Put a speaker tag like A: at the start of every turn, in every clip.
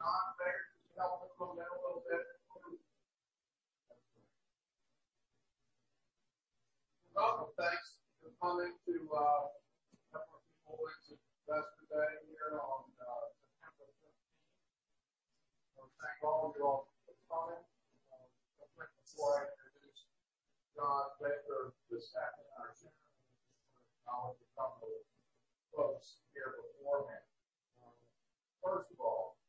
A: Is John Begert going to help us slow down a little bit? Well, thanks for coming to FRP Holdings Investor Day here on September 15th. Thank all of you all for coming. Before I introduce John Baker, the staff and our Chairman, I just want to acknowledge a couple of folks here before him. First of all, our template group, Stacy Arias, Elaine George,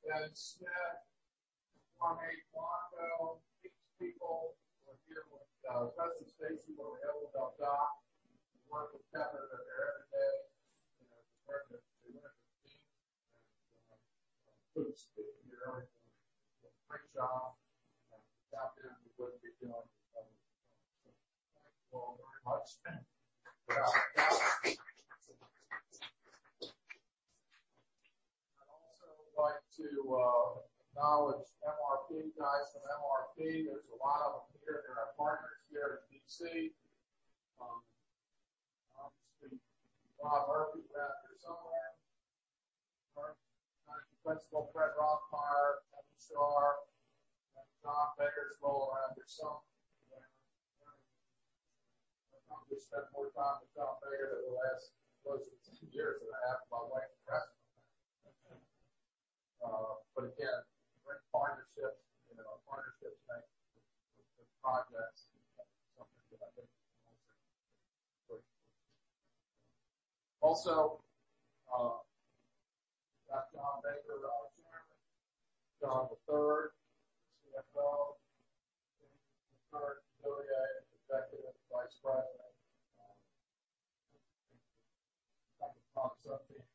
A: Ben Smith, Juan Blanco, these people who are here with us, and Stacy over at LDF Doc, who work with Kevin are there every day. I just want to recognize them. Kudos to you, Eric, for a great job. Without them, we wouldn't be doing this. Thank you all very much. I'd also like to acknowledge MRP guys from MRP. There's a lot of them here. They're our partners here in D.C. Obviously, Rob Murphy's out there somewhere. Our Principal, Fred Rothmeijer, Kevin Sharp, and John Baker's rolling around here somewhere. I probably spent more time with John D. Baker II over the last close to two years than I have my wife and president. Again, great partnerships. Our partnerships make the projects something that I think is great. Also, that's John Baker II, our chairman. John Baker III, Chief Financial Officer. [audio ditortion], Executive Vice President. I think the concept of working together. Thanks for coming. John will kind of take over and go over the report from me.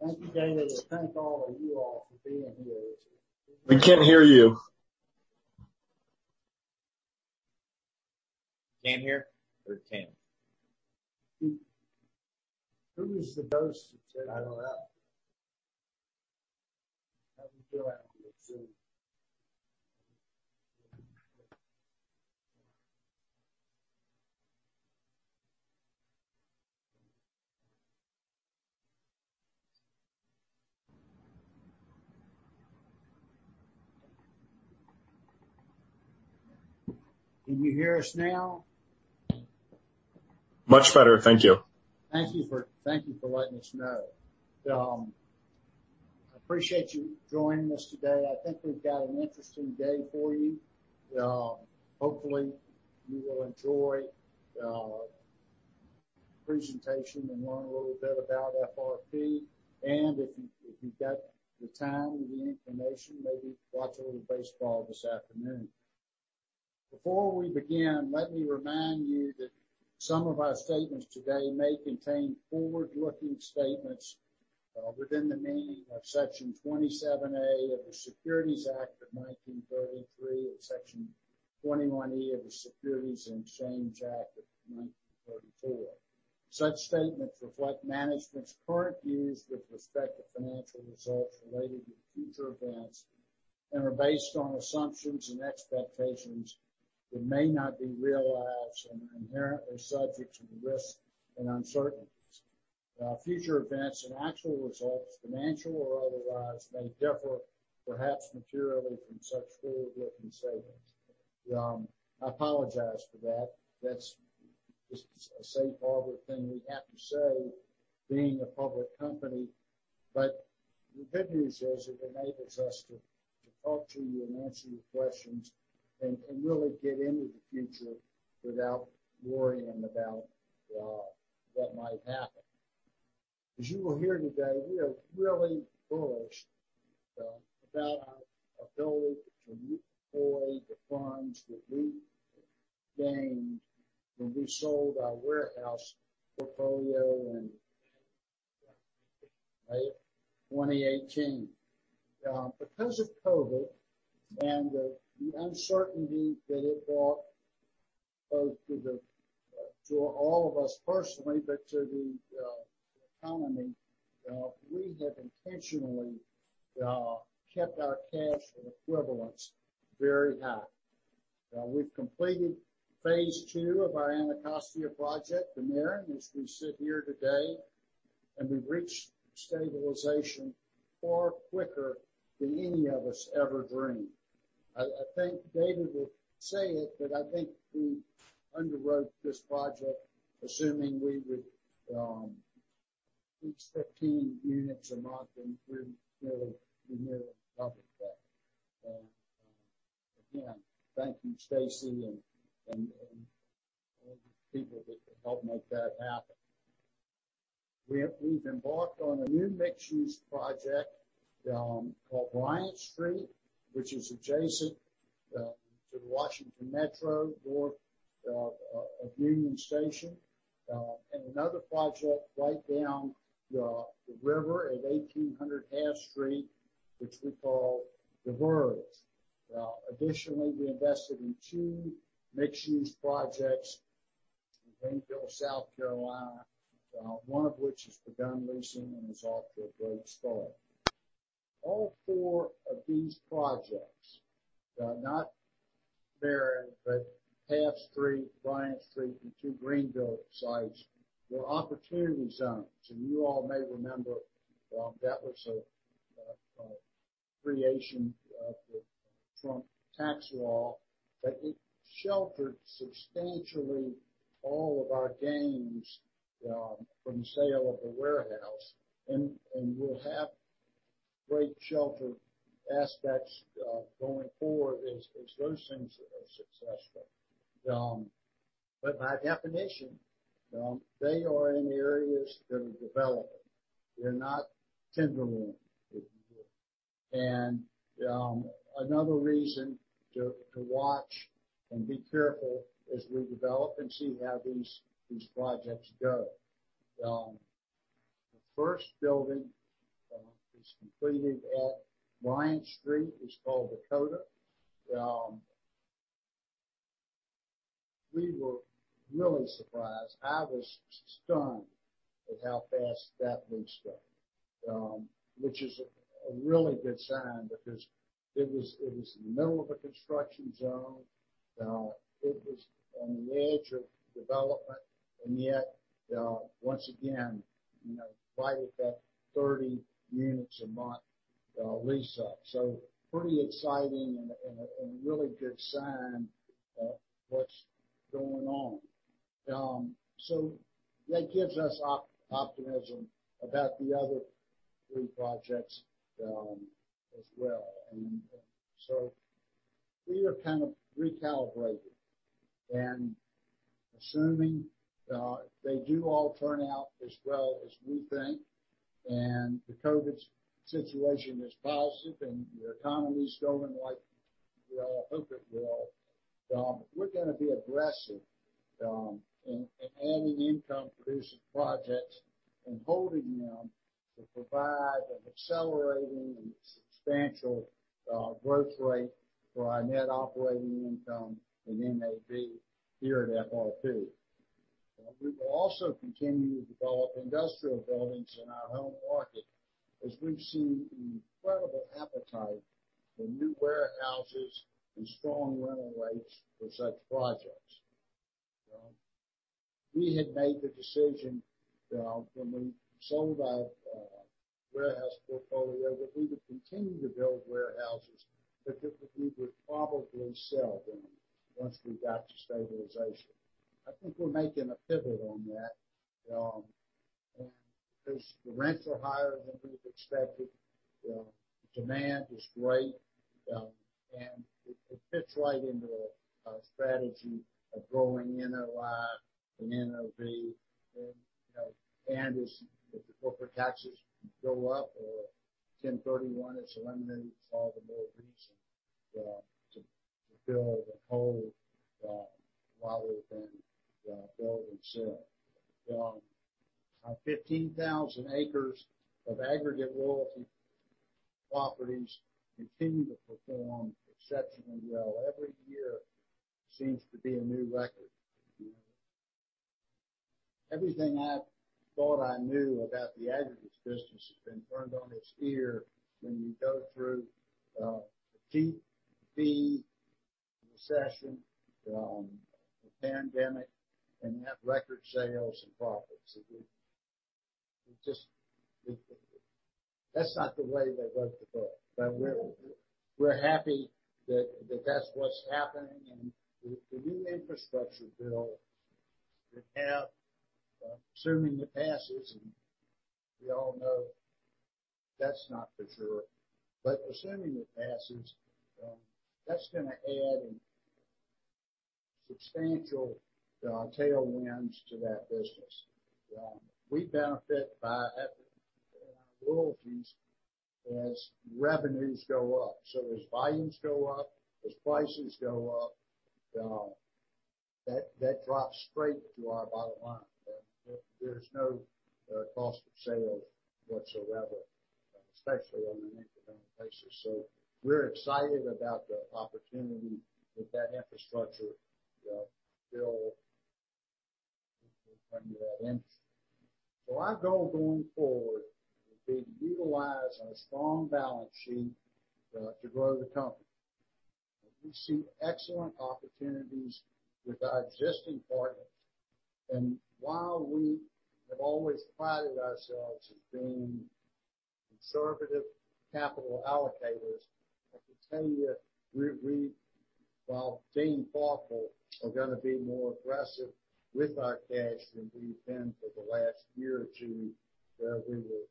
B: Thank you, David, and thank all of you all for being here.
C: We can't hear you.
D: Can't hear or can?
B: Who was the ghost that said?
D: I don't know.
B: Have him go out and get sued. Can you hear us now?
A: Much better. Thank you.
B: Thank you for letting us know. I appreciate you joining us today. I think we've got an interesting day for you. Hopefully, you will enjoy the presentation and learn a little bit about FRP. If you've got the time and the inclination, maybe watch a little baseball this afternoon. Before we begin, let me remind you that some of our statements today may contain forward-looking statements within the meaning of Section 27A of the Securities Act of 1933 and Section 21E of the Securities Exchange Act of 1934. Such statements reflect management's current views with respect to financial results related to future events and are based on assumptions and expectations that may not be realized and are inherently subject to risks and uncertainties. Future events and actual results, financial or otherwise, may differ, perhaps materially, from such forward-looking statements. I apologize for that. That's just a safe harbor thing we have to say being a public company. The good news is it enables us to talk to you and answer your questions and really get into the future without worrying about what might happen. As you will hear today, we are really bullish about our ability to deploy the funds that we gained when we sold our warehouse portfolio in, right? 2018. Because of COVID and the uncertainty that it brought both to all of us personally, but to the economy, we have intentionally kept our cash and equivalents very high. We've completed phase II of our Anacostia project, The Maren, as we sit here today, and we've reached stabilization far quicker than any of us ever dreamed. I think David will say it, but I think we underwrote this project assuming we would lease 15 units a month, and we're nearly double that. Again, thank you, Stacy, and all the people that helped make that happen. We've embarked on a new mixed-use project called Bryant Street, which is adjacent to the Washington Metro north of Union Station, and another project right down the river at 1800 Half Street, which we call The Verge. Additionally, we invested in two mixed-use projects in Greenville, South Carolina. One of which has begun leasing and is off to a great start. All four of these projects, not Maren, but H Street, Bryant Street, and two Greenville sites, were Opportunity Zones, and you all may remember that was a creation of the Trump tax law, that it sheltered substantially all of our gains from the sale of the warehouse, and will have great shelter aspects going forward as those things are successful. By definition, they are in areas that are developing. They're not tenderloin, if you will. Another reason to watch and be careful as we develop and see how these projects go. The first building was completed at Bryant Street. It's called Coda. We were really surprised. I was stunned at how fast that leased up, which is a really good sign because it was in the middle of a construction zone, it was on the edge of development, and yet, once again, right at that 30 units a month lease up. Pretty exciting and a really good sign of what's going on. That gives us optimism about the other three projects as well. We are kind of recalibrating, and assuming they do all turn out as well as we think, and the COVID situation is positive and the economy's going like we all hope it will, we're going to be aggressive in adding income-producing projects and holding them to provide an accelerating and substantial growth rate for our net operating income in Net Asset Value here at FRP. We will also continue to develop industrial buildings in our home market as we've seen an incredible appetite for new warehouses and strong rental rates for such projects. We had made the decision when we sold our warehouse portfolio that we would continue to build warehouses, but that we would probably sell them once we got to stabilization. I think we're making a pivot on that because the rents are higher than we expected, the demand is great, and it fits right into a strategy of growing Net Operating Income and NAV. As the corporate taxes go up or 1031 is eliminated, it's all the more reason to build and hold rather than build and sell. Our 15,000 acres of aggregate royalty properties continue to perform exceptionally well. Every year seems to be a new record. Everything I thought I knew about the aggregates business has been turned on its ear when you go through the General Partner recession, the pandemic, and you have record sales and profits. That's not the way they wrote the book. We're happy that that's what's happening, the new infrastructure bill would have, assuming it passes, and we all know that's not for sure, but assuming it passes, that's going to add substantial tailwinds to that business. We benefit by our royalties as revenues go up. As volumes go up, as prices go up, that drops straight to our bottom line. There's no cost of sales whatsoever, especially on an incremental basis. We're excited about the opportunity that that infrastructure bill will bring to that industry. Our goal going forward will be to utilize our strong balance sheet to grow the company. We see excellent opportunities with our existing partners. While we have always prided ourselves as being conservative capital allocators, I can tell you, we, while being thoughtful, are going to be more aggressive with our cash than we've been for the last one year or two where we were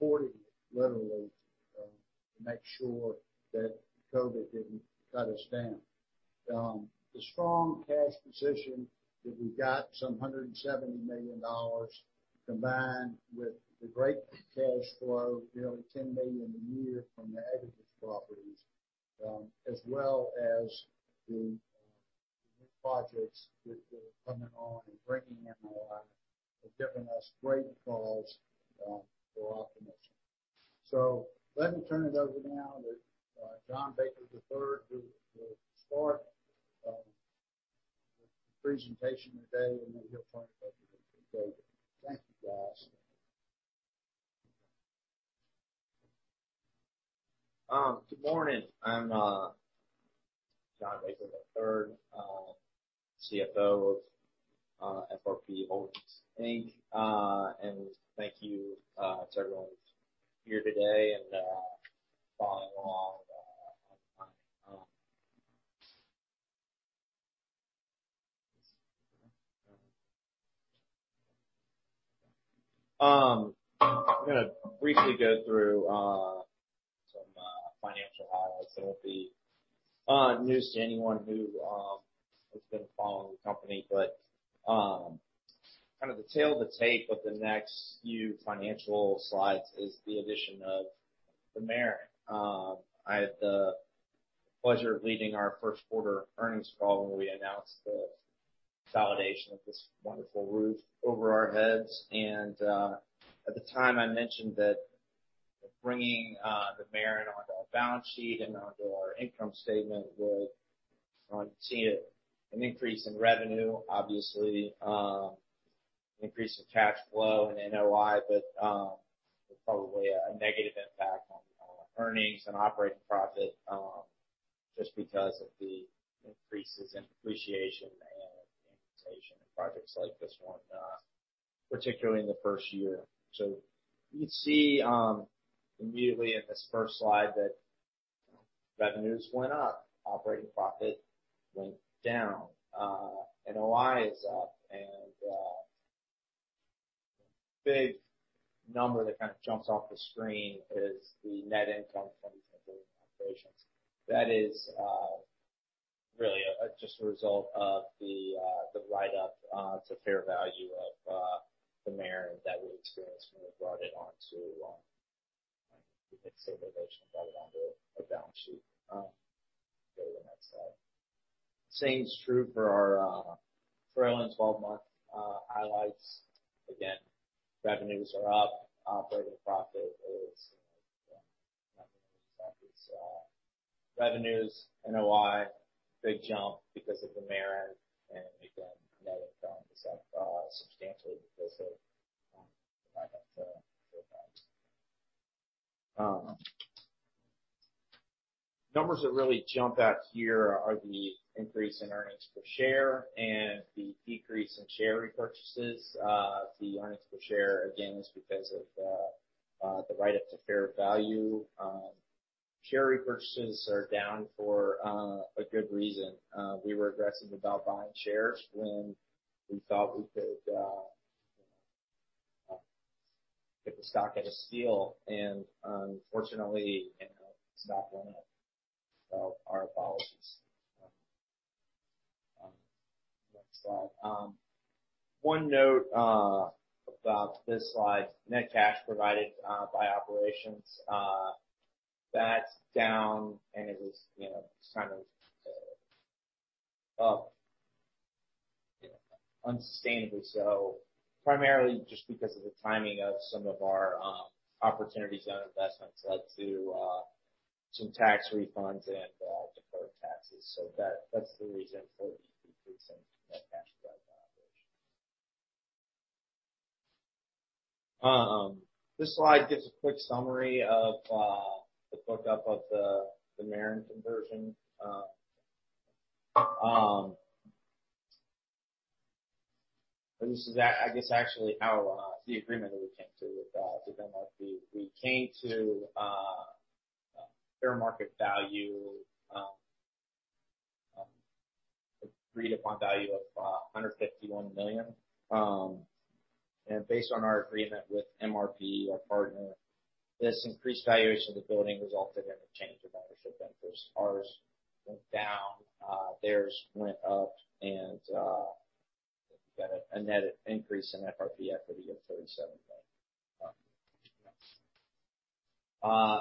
B: hoarding it literally to make sure that COVID didn't cut us down. The strong cash position that we got, some $170 million, combined with the great cash flow, nearly $10 million a year from the aggregates properties, as well as the new projects that are coming on and bringing in a lot, have given us great cause for optimism. Let me turn it over now to John D. Baker III, who will start the presentation today, and then he'll turn it over to David. Thank you, guys.
D: Good morning. I'm John Baker III, CFO of FRP Holdings, Inc. Thank you to everyone here today and following along online. I'm going to briefly go through some financial highlights that won't be news to anyone who has been following the company. Kind of the tale to take with the next few financial slides is the addition of The Maren. I had the pleasure of leading our first quarter earnings call when we announced the validation of this wonderful roof over our heads. At the time, I mentioned that bringing The Maren onto our balance sheet and onto our income statement would see an increase in revenue, obviously, increase in cash flow and NOI, but probably a negative impact on earnings and operating profit, just because of the increases in depreciation and amortization in projects like this one, particularly in the first year. You see immediately in this first slide that revenues went up, operating profit went down. NOI is up, and the big number that kind of jumps off the screen is the net income from continuing operations. That is really just a result of the write-up to fair value of The Maren that we experienced when we brought it onto the mix of innovations, brought it onto our balance sheet. Go to the next slide. Same is true for our trailing 12-month highlights. Again, revenues are up. Operating profit is not millions up. It's revenues, NOI, big jump because of The Maren, and again, net income is up substantially. Numbers that really jump out here are the increase in earnings per share and the decrease in share repurchases. The Earnings per Share, again, is because of the write-up to fair value. Share repurchases are down for a good reason. We were aggressive about buying shares when we thought we could get the stock at a steal, and unfortunately, the stock went up. Our apologies. Next slide. One note about this slide, net cash provided by operations. That's down, and it was kind of up unsustainably so. Primarily just because of the timing of some of our Opportunity Zone investments led to some tax refunds and deferred taxes. That's the reason for the decrease in net cash provided by operations. This slide gives a quick summary of the book up of The Maren conversion. This is, I guess, actually the agreement that we came to with MRP. We came to fair market value, agreed upon value of $151 million. Based on our agreement with MRP, our partner, this increased valuation of the building resulted in a change of ownership interest. Ours went down, theirs went up, and we got a net increase in FRP equity of $37 million.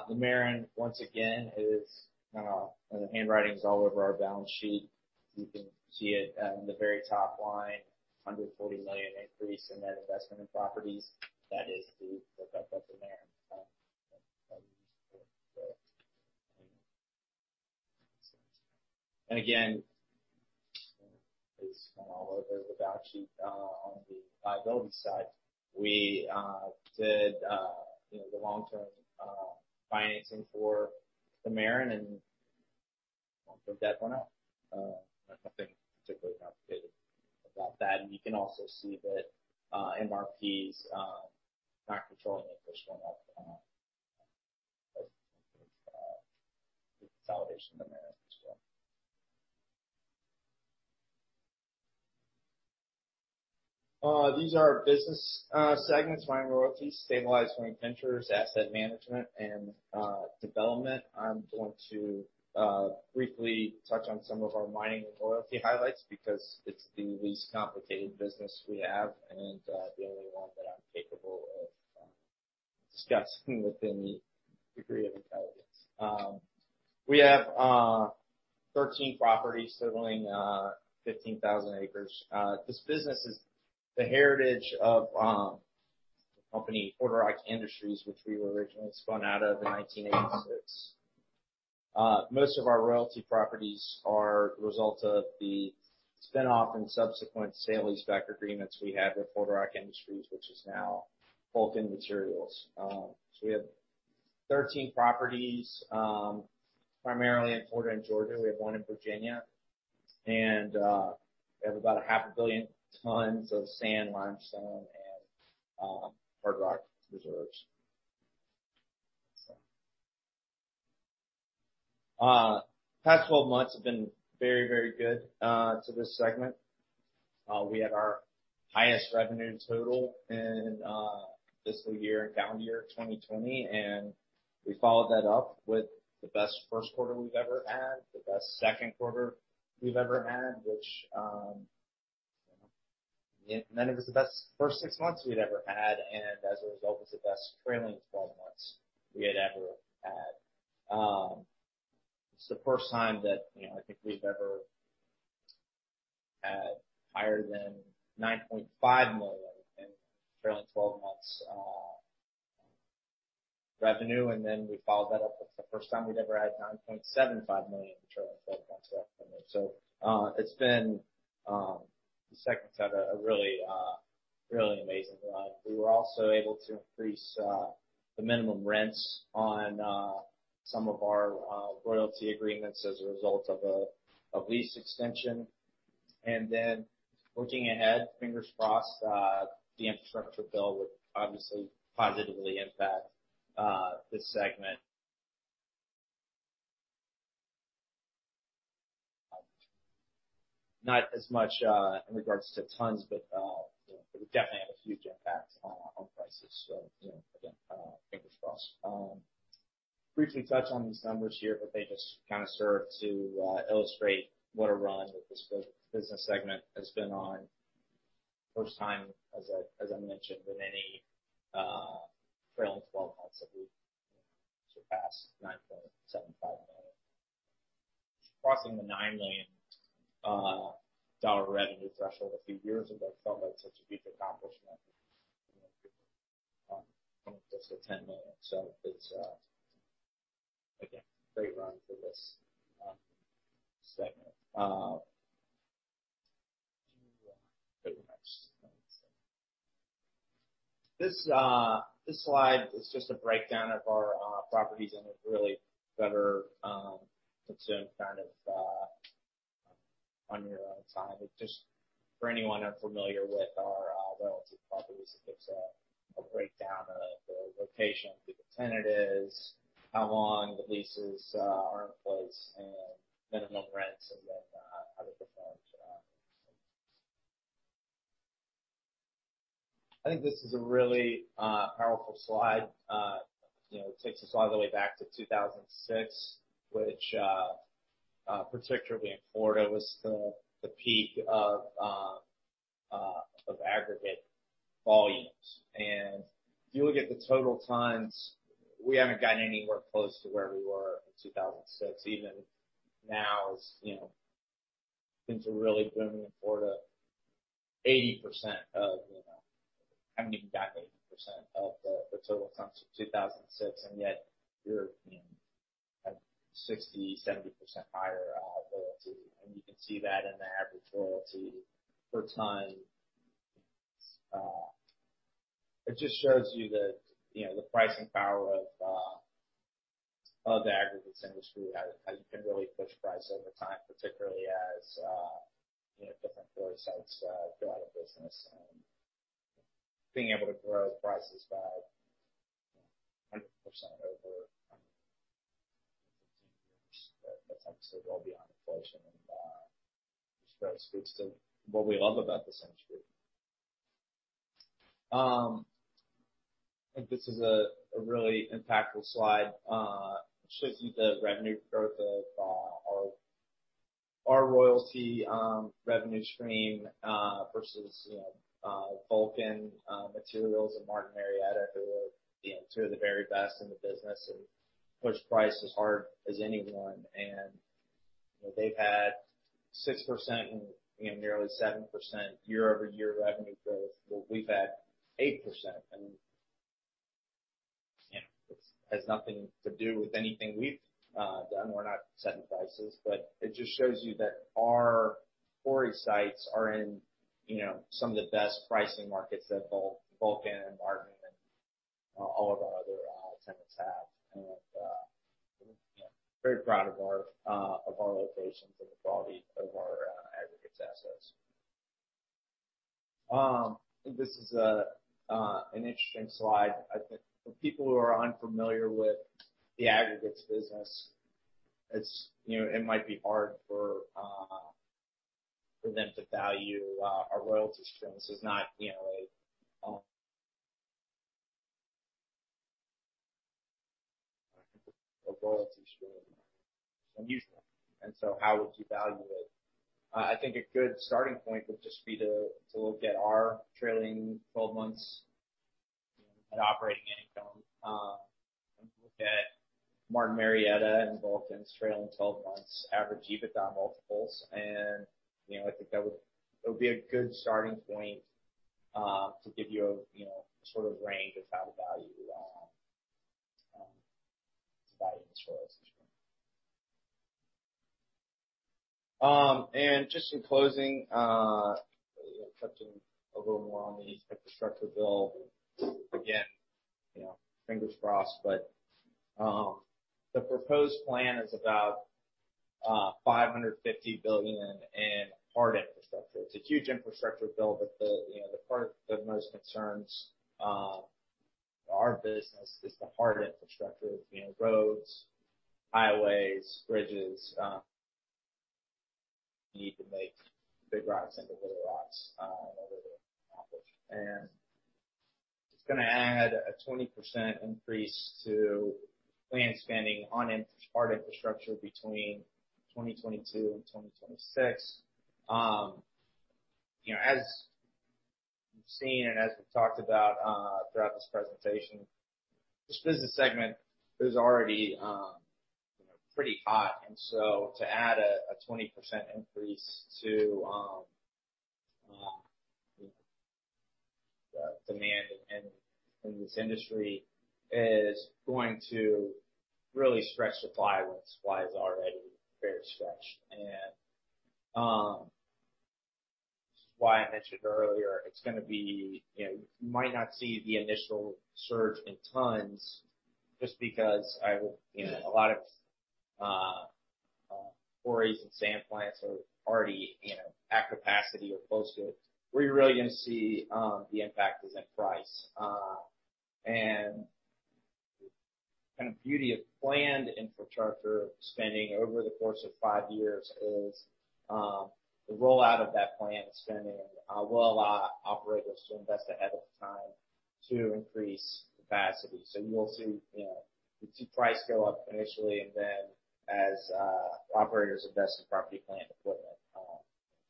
D: The Maren, once again, the handwriting's all over our balance sheet. You can see it at the very top line, $140 million increase in net investment in properties. That is the book up of The Maren. Again, it's all over the balance sheet. On the liabilities side, we did the long-term financing for The Maren, and long-term debt went up. Nothing particularly complicated about that. You can also see that MRP's non-controlling interest went up as a result of the consolidation of The Maren. These are business segments, mining royalties, stabilized mining ventures, asset management, and development. I'm going to briefly touch on some of our mining and royalty highlights because it's the least complicated business we have, and the only one that I'm capable of discussing with any degree of intelligence. We have 13 properties totaling 15,000 acres. This business is the heritage of the company, Florida Rock Industries, which we were originally spun out of in 1986. Most of our royalty properties are the result of the spinoff and subsequent sale-leaseback agreements we had with Florida Rock Industries, which is now Vulcan Materials. We have 13 properties, primarily in Florida and Georgia. We have one in Virginia. We have about a half a billion tons of sand, limestone, and hard rock reserves. The past 12 months have been very good to this segment. We had our highest revenue total in fiscal year and calendar year 2020. We followed that up with the best first quarter we've ever had, the best second quarter we've ever had. It was the best first six months we'd ever had. As a result, it was the best trailing 12 months we had ever had. It's the first time that I think we've ever had higher than $9.5 million in trailing 12 months revenue. We followed that up. It's the first time we'd ever had $9.75 million in trailing 12 months revenue. It's been the second best a really amazing run. We were also able to increase the minimum rents on some of our royalty agreements as a result of a lease extension. Looking ahead, fingers crossed, the infrastructure bill would obviously positively impact this segment. Not as much in regards to tons, but it would definitely have a huge impact on prices. Again, fingers crossed. Briefly touch on these numbers here, but they just kind of serve to illustrate what a run that this business segment has been on. First time, as I mentioned, in any trailing 12 months that we've surpassed $9.75 million. Crossing the $9 million revenue threshold a few years ago felt like such a huge accomplishment. Now we're getting close to $10 million. It's, again, a great run for this segment. This slide is just a breakdown of our properties, and it really better consumed kind of on your own time. It's just for anyone unfamiliar with our royalty properties. It gives a breakdown of the location, who the tenant is, how long the leases are in place, and minimum rents, and then how they perform. I think this is a really powerful slide. It takes us all the way back to 2006, which particularly in Florida, was the peak of aggregate volumes. If you look at the total tons, we haven't gotten anywhere close to where we were in 2006. Even now, things are really booming in Florida. Yet we're at 60%, 70% higher royalty, and you can see that in the average royalty per ton. It just shows you the pricing power of the aggregates industry as you can really push price over time, particularly as different quarry sites go out of business and being able to grow prices by 100% over 15 years. That's obviously well beyond inflation, and just really speaks to what we love about this industry. I think this is a really impactful slide. It shows you the revenue growth of our royalty revenue stream versus Vulcan Materials and Martin Marietta, who are two of the very best in the business and push price as hard as anyone. They've had 6% and nearly 7% year-over-year revenue growth, while we've had 8%. It has nothing to do with anything we've done. We're not setting prices, but it just shows you that our quarry sites are in some of the best pricing markets that Vulcan and Martin and all of our other tenants have. We're very proud of our locations and the quality of our aggregates assets. I think this is an interesting slide. I think for people who are unfamiliar with the aggregates business. It might be hard for them to value our royalty streams. It's not a royalty stream. It's unusual. How would you value it? I think a good starting point would just be to look at our trailing 12 months net operating income, and look at Martin Marietta and Vulcan's trailing 12 months average EBITDA multiples. I think that would be a good starting point to give you a range of how to value this royalty stream. Just in closing, touching a little more on the infrastructure bill. Again, fingers crossed, but the proposed plan is about $550 billion in hard infrastructure. It's a huge infrastructure bill, but the part that most concerns our business is the hard infrastructure. It's roads, highways, bridges. You need to make big rocks into little rocks in order to accomplish. It's going to add a 20% increase to planned spending on hard infrastructure between 2022 and 2026. As we've seen and as we've talked about throughout this presentation, this business segment is already pretty hot, and so to add a 20% increase to the demand in this industry is going to really stretch the supply, when supply is already very stretched. This is why I mentioned earlier, you might not see the initial surge in tons just because a lot of quarries and sand plants are already at capacity or close to it, where you're really going to see the impact is in price. The beauty of planned infrastructure spending over the course of five years is the rollout of that planned spending will allow operators to invest ahead of time to increase capacity. You will see price go up initially, as operators invest in property, plant, and equipment,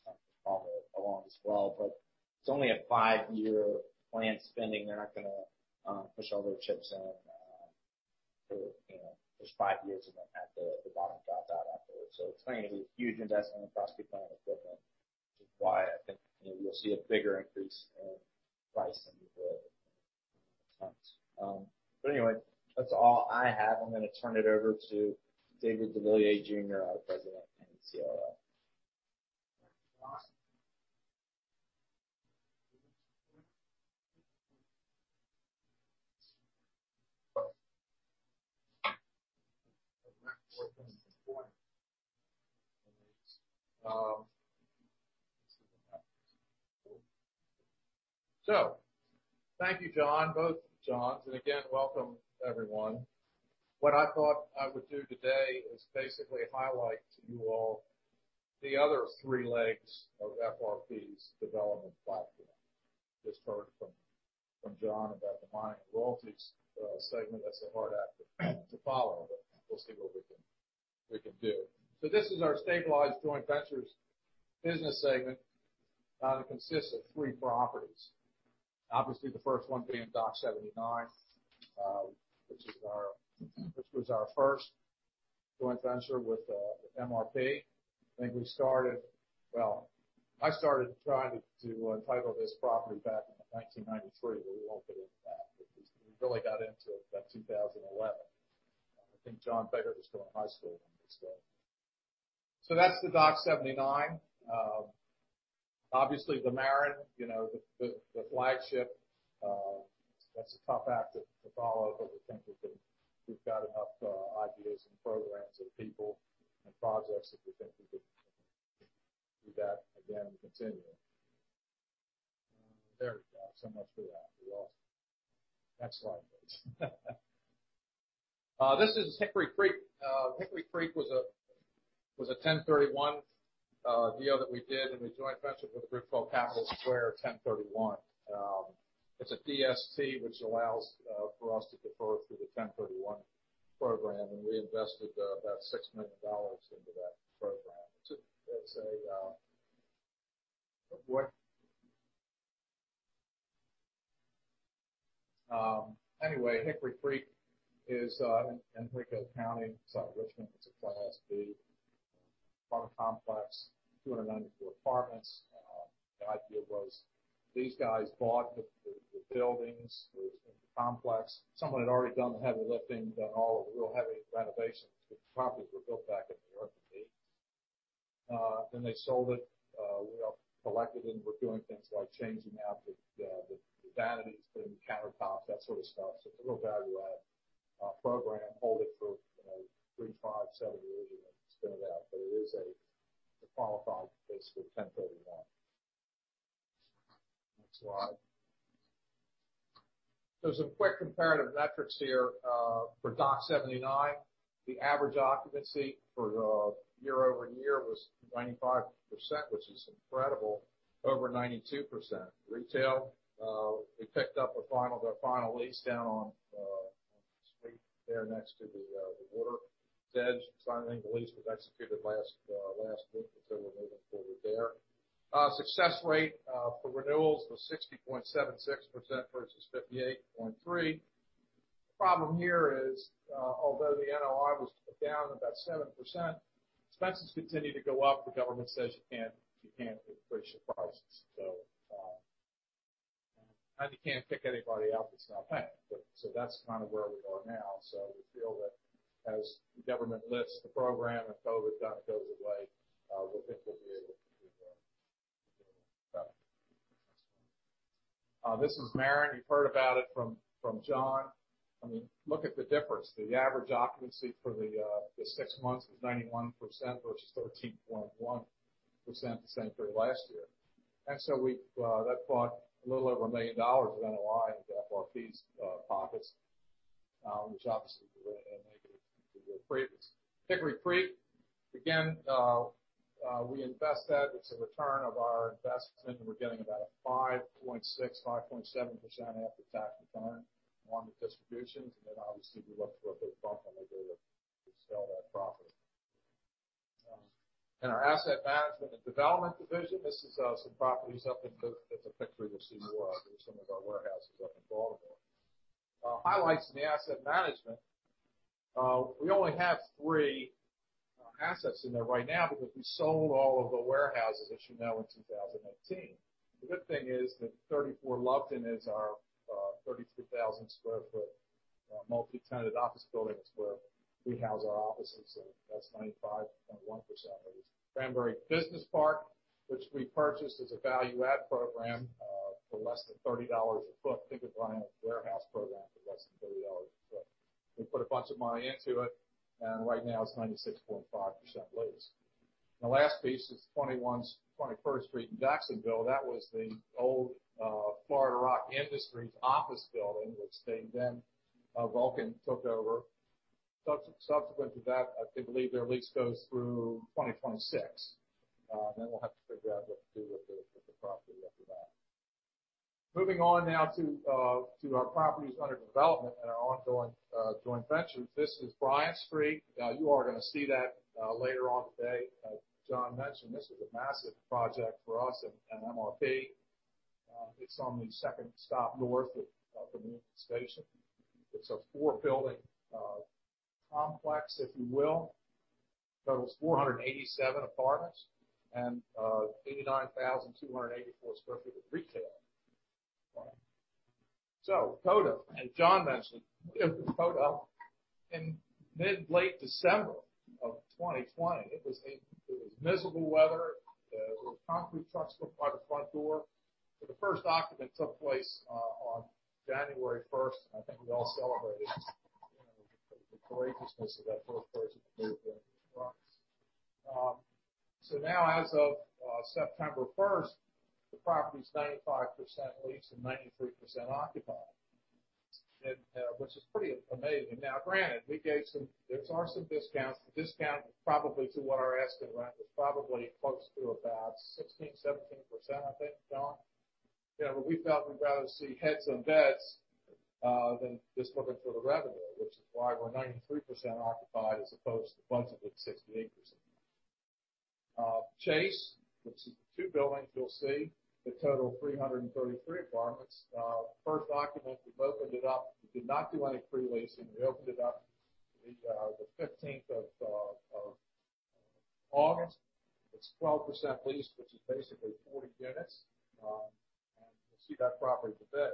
D: that will follow along as well. It's only a five-year planned spending. They're not going to push all their chips in for just five years and then have the bottom drop out afterwards. It's going to be a huge investment in property, plant, and equipment, which is why I think you'll see a bigger increase in price than you will in tons. Anyway, that's all I have. I'm going to turn it over to David deVilliers Jr., our President and Chief Operating Officer.
A: Thank you, John, both Johns, and again, welcome everyone. What I thought I would do today is basically highlight to you all the other three legs of FRP's development platform. Just heard from John about the Mining Royalties Segment. That's a hard act to follow, we'll see what we can do. This is our Stabilized Joint Ventures Business Segment. It consists of three properties. Obviously, the first one being Dock 79 which was our first joint venture with MRP. I started trying to title this property back in 1993, we won't get into that. We really got into it about 2011. I think John Baker was still in high school when we started. That's the Dock 79. Obviously, The Maren, the flagship, that's a tough act to follow, but we think we've got enough ideas and programs and people and projects that we think we can do that again and continue. There we go. So much for that. We lost it. Next slide, please. This is Hickory Creek. Hickory Creek was a 1031 deal that we did in a joint venture with a group called Capital Square 1031. It's a Delaware Statutory Trust, which allows for us to defer through the 1031 program, and we invested about $6 million into that program. Anyway, Hickory Creek is in Henrico County, south of Richmond. It's a Class B apartment complex, 294 apartments. The idea was these guys bought the buildings, the complex. Someone had already done the heavy lifting, done all of the real heavy renovations. The properties were built back in the early '80s. They sold it. We collected it, and we're doing things like changing out the vanities and countertops, that sort of stuff. It's a real value-add program. Hold it for three, five, seven years and then spin it out. It is a qualified, basically 1031. Next slide. Some quick comparative metrics here. For Dock 79, the average occupancy for year-over-year was 95%, which is incredible, over 92%. Retail, we picked up their final lease down on the street there next to the water's edge. Finally, the lease was executed last week, and so we're moving forward there. Success rate for renewals was 60.76% versus 58.3%. The problem here is although the NOI was down about 7%, expenses continue to go up. The government says you can't increase your prices. You can't kick anybody out that's not paying. That's kind of where we are now. We feel that as the government lifts the program and COVID kind of goes away, we think we'll be able to move on. This is The Maren. You've heard about it from John. Look at the difference. The average occupancy for the six months was 91% versus 13.1% the same period last year. That brought a little over $1 million of NOI into FRP's pockets, which obviously is a positive thing to do. Hickory Creek, again, we invest that. It's a return of our investment, and we're getting about a 5.6%-5.7% after-tax return on the distributions. Obviously we look for a big bump when we go to sell that property. In our asset management and development division, these are some of our warehouses up in Baltimore. Highlights in the asset management. We only have three assets in there right now because we sold all of the warehouses that you know in 2019. The good thing is that 34 Loveton Circle is our 33,000 sq ft multi-tenant office building. It's where we house our offices, that's 95.1% leased. Cranberry Run Business Park, which we purchased as a value add program for less than $30 a foot. Think of buying a warehouse program for less than $30 a foot. We put a bunch of money into it, right now it's 96.5% leased. The last piece is 21st Street in Jacksonville. That was the old Florida Rock Industries office building, which they then Vulcan took over. Subsequent to that, I believe their lease goes through 2026. We'll have to figure out what to do with the property after that. Moving on now to our properties under development and our ongoing joint ventures. This is Bryant Street. You are going to see that later on today. As John mentioned, this is a massive project for us and MRP. It's on the second stop north of the Union Station. It's a four-building complex, if you will. Totals 487 apartments and 89,284 sq ft of retail. Coda, as John mentioned, we opened Coda in mid-late December of 2020. It was miserable weather. There were concrete trucks parked by the front door. The first occupant took place on January 1st. I think we all celebrated the courageousness of that first person to move their trucks. As of September 1st, the property is 95% leased and 93% occupied which is pretty amazing. Now granted, there are some discounts. The discount probably to what our asking rent was probably close to about 16%, 17%, I think, John? We felt we'd rather see heads than beds than just looking for the revenue, which is why we're 93% occupied as opposed to the budgeted 68%. Chase, which is the two buildings you'll see, they total 333 apartments. First occupant, we've opened it up. We did not do any pre-leasing. We opened it up the 15th of August. It's 12% leased, which is basically 40 units, and you'll see that property today.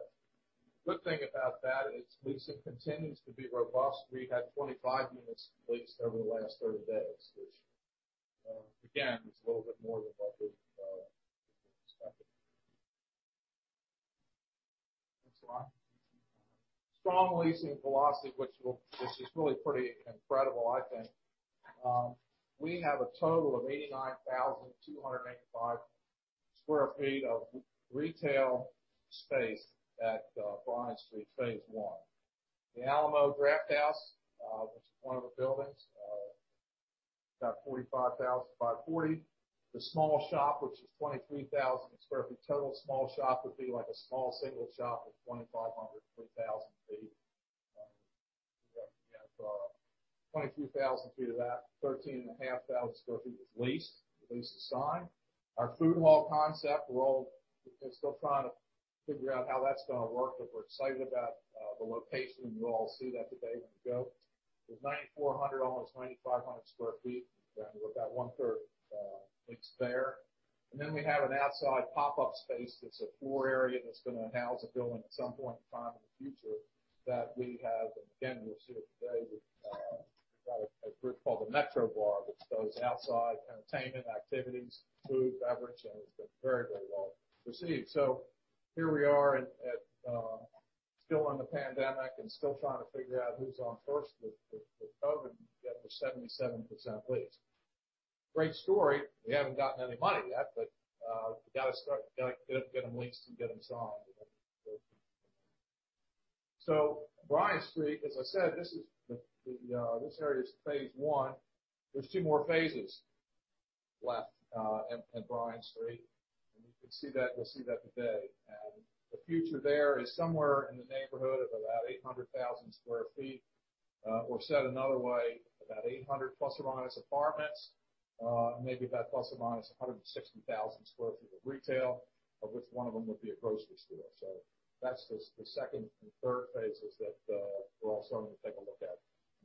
A: The good thing about that is leasing continues to be robust. We had 25 units leased over the last 30 days, which again, is a little bit more than what we had expected. Next slide. Strong leasing velocity, which is really pretty incredible, I think. We have a total of 89,285 sq ft of retail space at Bryant Street, phase I. The Alamo Drafthouse, which is one of the buildings, it's about 45,540 sq ft. The Small Shop, which is 23,000 sq ft total. Small Shop would be like a small single shop of 2,500 sq ft, 3,000 sq ft. We've got 23,000 sq ft of that. 13,500 sq ft was leased. The lease is signed. Our food hall concept, we're all still trying to figure out how that's going to work. We're excited about the location, and you will all see that today when we go. There's 9,400 sq ft almost 9,500 sq ft, and we've got one-third leased there. We have an outside pop-up space that's a floor area that's going to house a building at some point in time in the future that we have, and again, you'll see it today. We've got a group called The Metro Bar, which does outside entertainment, activities, food, beverage, and it's been very well received. Here we are still in the pandemic and still trying to figure out who's on first with COVID, yet they're 77% leased. Great story. We haven't gotten any money yet, we've got to get them leased and get them sold. Bryant Street, as I said, this area is phase I. There's two more phases left at Bryant Street, you can see that. We'll see that today. The future there is somewhere in the neighborhood of about 800,000 sq ft. Said another way, about ±800 apartments, maybe about ±160,000 sq ft of retail, of which one of them would be a grocery store. That's the second and third phases that we're also going to take a look at.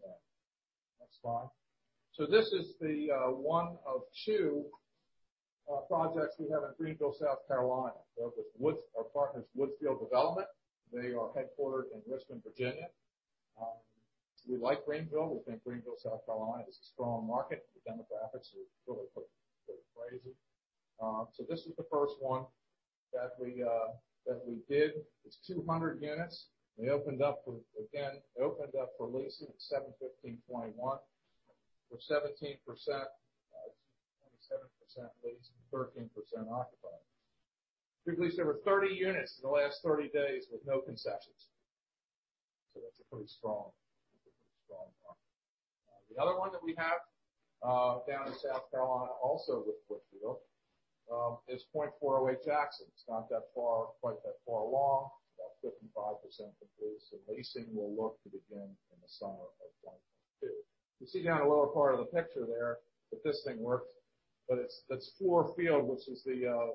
A: Yeah. Next slide. This is the one of two projects we have in Greenville, South Carolina. They're with our partners, Woodfield Development. They are headquartered in Richmond, Virginia. We like Greenville. We think Greenville, South Carolina, is a strong market. The demographics are really crazy. This is the first one that we did. It's 200 units. They opened up for leasing at 7/15/2021 with 17%, excuse me, 27% leased and 13% occupied. We've leased over 30 units in the last 30 days with no concessions. That's a pretty strong market. The other one that we have down in South Carolina, also with Woodfield, is .408 Jackson. It's not quite that far along, about 55% complete. Leasing, we'll look to begin in the summer of 2022. You see down in the lower part of the picture there, if this thing works, but it's Fluor Field, which is the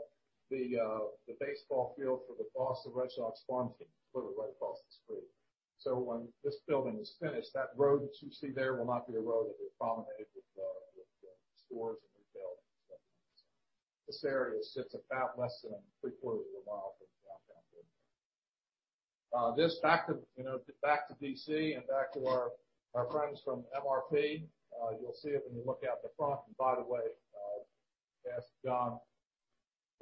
A: baseball field for the Boston Red Sox farm team. It's literally right across the street. When this building is finished, that road that you see there will not be a road. It'll be a promenade with stores and retail and stuff like that. This area sits about less than three-quarters of a mile from downtown Greenville. Back to D.C. and back to our friends from MRP. You'll see it when you look out the front. By the way, ask John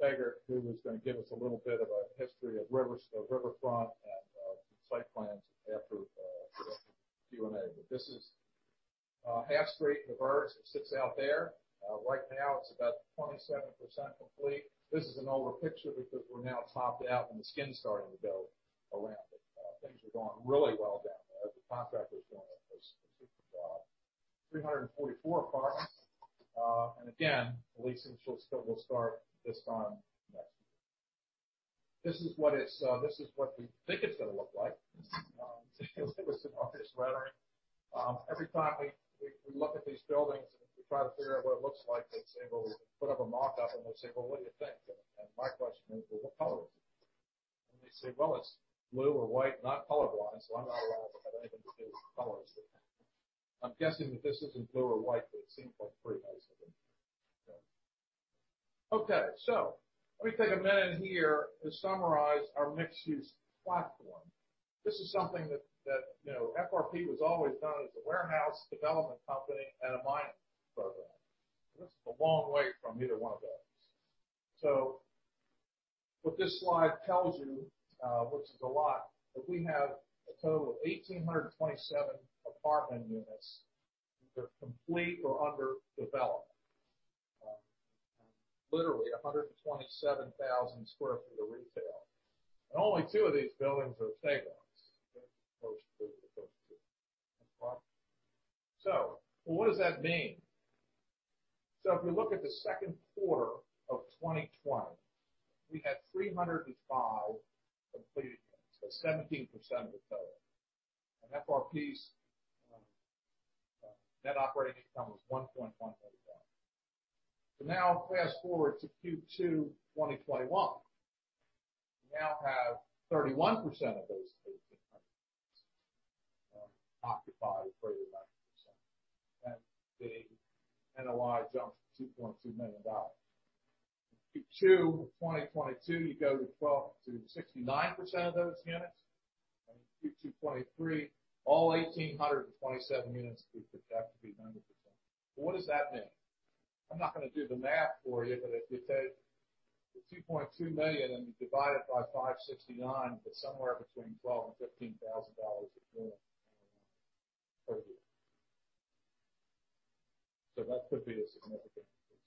A: Baker, who is going to give us a little bit of a history of the riverfront and site plans after Q&A. This is Half Street, The Verge, sits out there. Right now, it's about 27% complete. This is an older picture because we're now topped out, and the skin's starting to go around it. Things are going really well down there. The contractor's doing a super job. 344 apartments. Again, leasing will start this time next year. This is what we think it's going to look like. It was an artist rendering. Every time we look at these buildings, and we try to figure out what it looks like, they put up a mock-up, and they say, "Well, what do you think?" My question is, "Well, what color is it?" They say, "Well, it's blue or white." Not color blind, so I'm not allowed to have anything to do with the colors. I'm guessing that this isn't blue or white, but it seems like pretty nice, I think. Okay. Let me take a minute here to summarize our mixed-use platform. This is something that MRP was always known as a warehouse development company and a mining program. This is a long way from either one of those. What this slide tells you, which is a lot, that we have a total of 1,827 apartment units that are complete or under development. Literally 127,000 sq ft of retail. Only two of these buildings are Tego. Those two. Next slide. What does that mean? If we look at Q2 2020, we had 305 completed units, 17% of the total. FRP's net operating income was $1.131 million. Now fast-forward to Q2 2021. We now have 31% of those 1,800 units occupied for 11%. The NOI jumps to $2.2 million. Q2 2022, you go to 69% of those units. Q2 2023, all 1,827 units would have to be 100%. What does that mean? I'm not going to do the math for you, but if you take the $2.2 million and you divide it by 569, it's somewhere between $12,000 and $15,000 a unit per year. That could be a significant increase.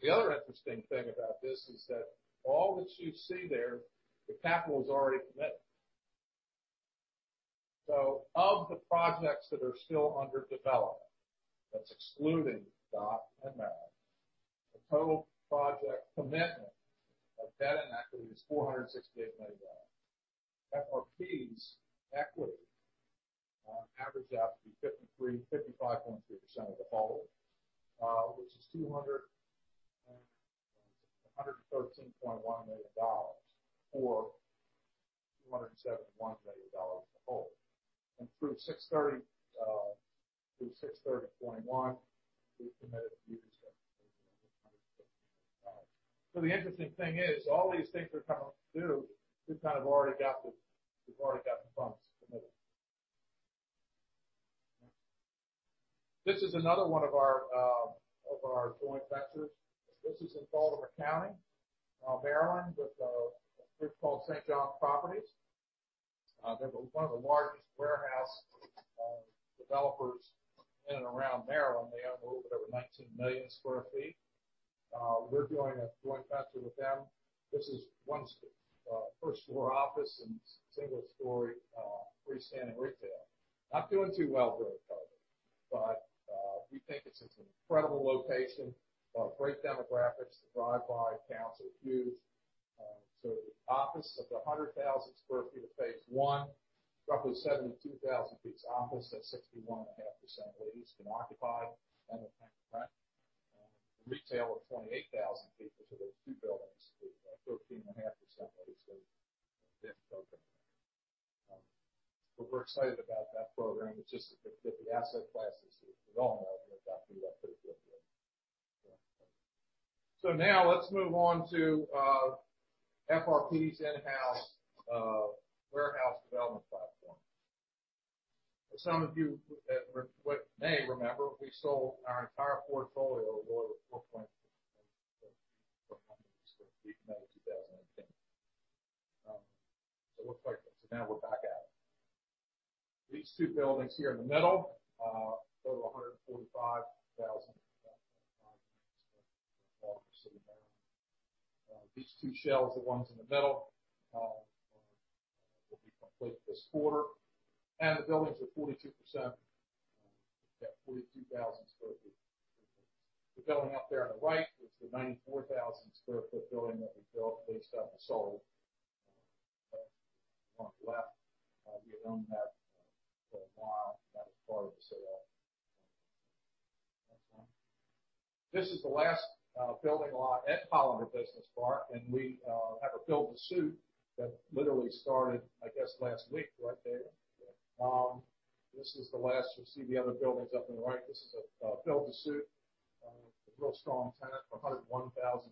A: The other interesting thing about this is that all that you see there, the capital is already committed. Of the projects that are still under development, that's excluding Dock and Merrimack, the total project commitment of debt and equity is $468 million. FRP's equity averages out to be 55.3% of the whole, which is $213.1 million, or $271 million as a whole. Through 6/30/2021, we've committed $370 million. The interesting thing is all these things are coming due. We've kind of already got the funds committed. This is another one of our joint ventures. This is in Baltimore County, Maryland, with a group called St. John Properties. They're one of the largest warehouse developers in and around Maryland. They own a little bit over 19 million sq ft. We're doing a joint venture with them. This is first-floor office and single-story freestanding retail. Not doing too well during COVID, but we think it's an incredible location, great demographics. The drive-by counts are huge. The office of the 100,000 sq ft of phase I, roughly 72,000 sq ft is office. That's 61.5% leased and occupied. The retail of 28,000 sq ft. Those two buildings are 13.5% leased. We're excited about that program. It's just that the asset classes that we all know have got beat up pretty good. Now let's move on to FRP's in-house warehouse development platform. Some of you may remember we sold our entire portfolio of over 4.6 million sq ft in May 2019. We're back at it. These two buildings here in the middle, a total of 145,590 sq ft in Baltimore City, Maryland. These two shells, the ones in the middle, will be complete this quarter, and the buildings are 42%, we've got 42,000 sq ft. The building out there on the right, which is the 94,000 sq ft building that we built, leased up, and sold on the left. We've owned that for a while, and that is part of the sale.
B: Next one. This is the last building lot at Hollander Business Park, and we have a build-to-suit that literally started, I guess, last week. Right, David?
A: This is the last. You'll see the other buildings up on the right. This is a build-to-suit, a real strong tenant, 101,000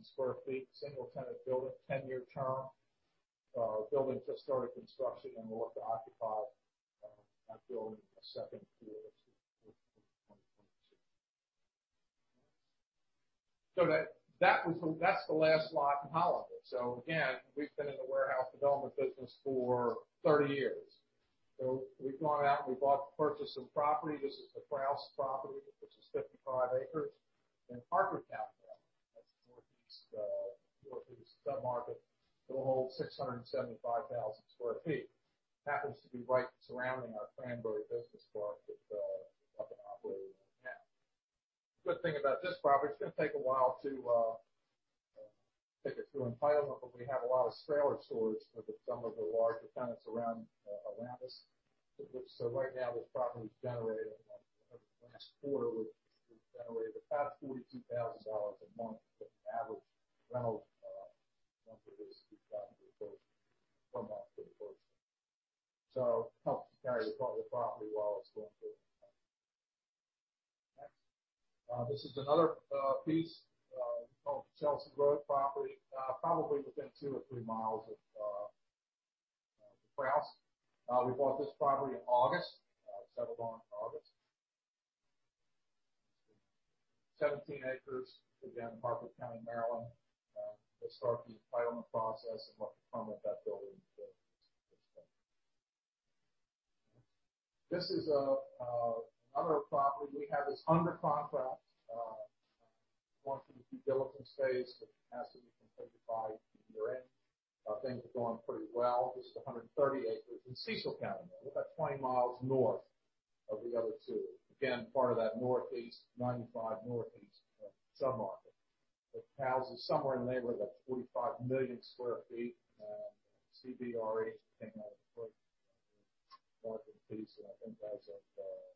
A: sq ft, single-tenant building, 10-year term. Building just started construction. We look to occupy that building in the second quarter of 2022. That's the last lot in Hollander. Again, we've been in the warehouse development business for 30 years. We've gone out and we purchased some property. This is the Krause property, which is 55 acres in Harford County. That's northeast of the submarket. It'll hold 675,000 sq ft. Happens to be right surrounding our Cranberry Run Business Park that we're operating right now.
B: Good thing about this property. It's going to take a while to take it through entitlement, but we have a lot of trailer storage with some of the larger tenants around us.
A: Right now, this property's generated, over the last quarter, it's generated about $42,000 a month with average rental month-to-date. It helped to carry the property while it's going through. Next. This is another piece called the Chelsea Road property, probably within two or three miles of Krause. We bought this property in August, settled on it in August. 17 acres, again, Harford County, Maryland. We'll start the entitlement process and look to permit that building. This is another property. We have this under contract. We're going through due diligence phase, which has to be completed by year-end. Things are going pretty well. This is 130 acres in Cecil County. We're about 20 mi north of the other two. Again, part of that I-95 Northeast submarket, which houses somewhere in the neighborhood of 45 million sq ft. CBRE came out with a great marketing piece. I think that's at 400 sq ft.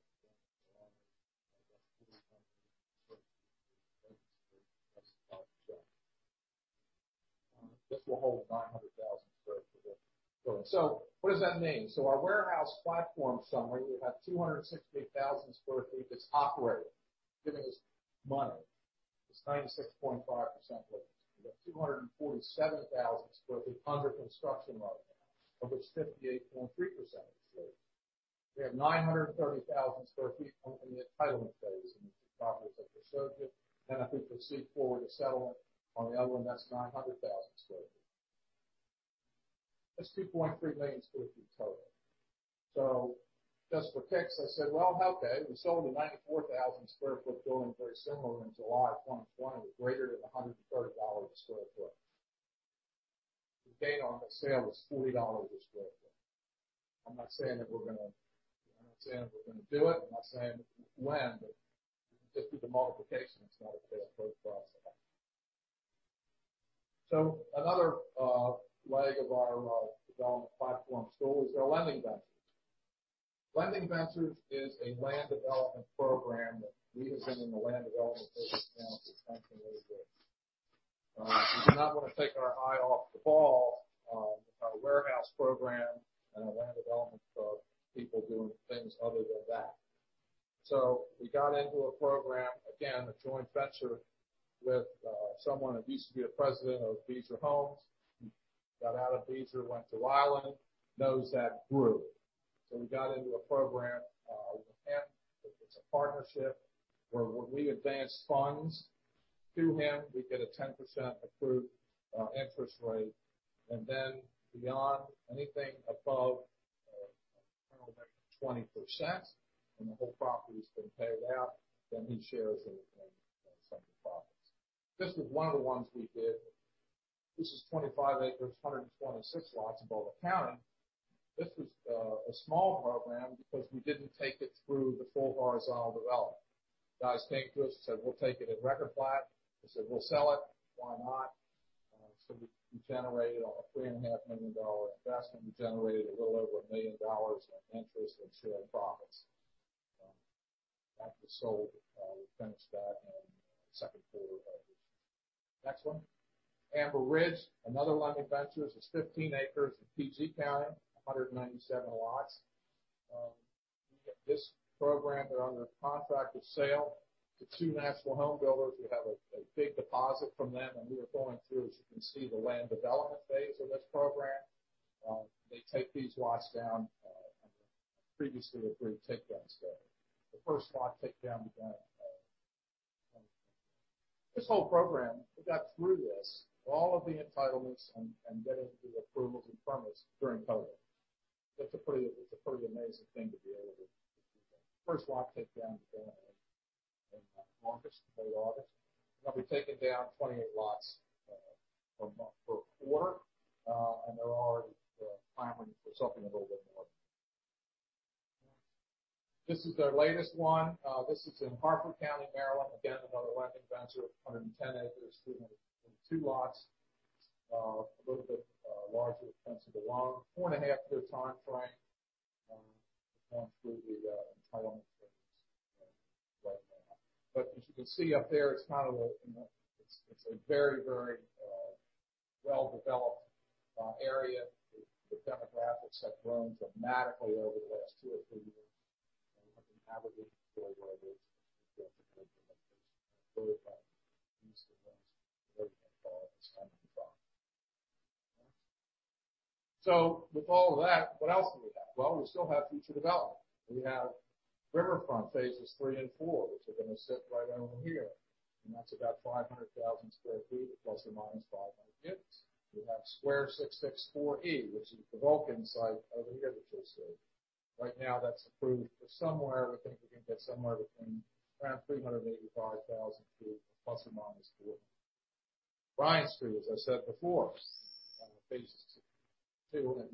A: This will hold 900,000 sq ft of building. What does that mean? Our warehouse platform summary, we have 268,000 sq ft that's operating, giving us money. It's 96.5% leased. We've got 247,000 sq ft under construction right now, of which 58.3% is leased. We have 930,000 sq ft in the entitlement phase. These are the properties I just showed you. If we proceed forward to settlement on the other one, that's 900,000 sq ft. That's 2.3 million sq ft total. Just for kicks, I said, "Well, okay, we sold a 94,000-sq-ft building very similar in July of 2020. It was greater than $130 a sq ft." The gain on that sale was $40 a sq ft. I'm not saying that we're going to do it, I'm not saying when, but just do the multiplication. It's not a bad approach for us. Another leg of our development platform stool is our Lending Ventures. Lending Ventures is a land development program that we have been in the land development business now since 1988. We do not want to take our eye off the ball with our warehouse program and our land development club, people doing things other than that. We got into a program, again, a joint venture with someone that used to be a president of Beazer Homes. Got out of Beazer, went to Island, knows that group. We got into a program, with him. It's a partnership where when we advance funds to him, we get a 10% approved interest rate, and then beyond anything above an internal rate of 20% when the whole property has been paid out, then he shares in some of the profits. This is one of the ones we did. This is 25 acres, 126 lots in Baldwin County. This was a small program because we didn't take it through the full horizontal development. Guys came to us and said, "We'll take it in record plat." We said, "We'll sell it. Why not?" We generated on a $3.5 million investment, we generated a little over $1 million in interest and shared profits. That was sold. We finished that in the second quarter of this year. Next one. Amber Ridge, another Lending Ventures. It's 15 acres in Pee Dee, 197 lots. We get this program under contract of sale to two national home builders. We have a big deposit from them. We are going through, as you can see, the land development phase of this program. They take these lots down under previously agreed takedowns there. The first lot takedown began in 2021. This whole program, we got through this, all of the entitlements and getting the approvals and permits during COVID. It's a pretty amazing thing to be able to do that. First lot takedown began in August, late August. We're going to be taking down 28 lots per quarter. They're already planning for something a little bit more. This is their latest one. This is in Harford County, Maryland. Again, another land venture, 110 acres, 302 lots. A little bit larger, expensive to loan. Four and a half year timeframe to run through the entitlement phase right now. As you can see up there, it's a very well-developed area. The demographics have grown dramatically over the last two or three years. We have an application for a rezone, which we feel is a good indication that the town. With all of that, what else do we have? Well, we still have future development. We have Riverfront phases III and phase IV, which are going to sit right over here, and that's about 500,000 sq ft, ±500 units. We have Square 664E, which is the Vulcan site over here that you'll see. Right now, that's approved for somewhere, I think we can get somewhere between around 385,000 sq ft, ±400 units. Bryant Street, as I said before, on the phases II and phase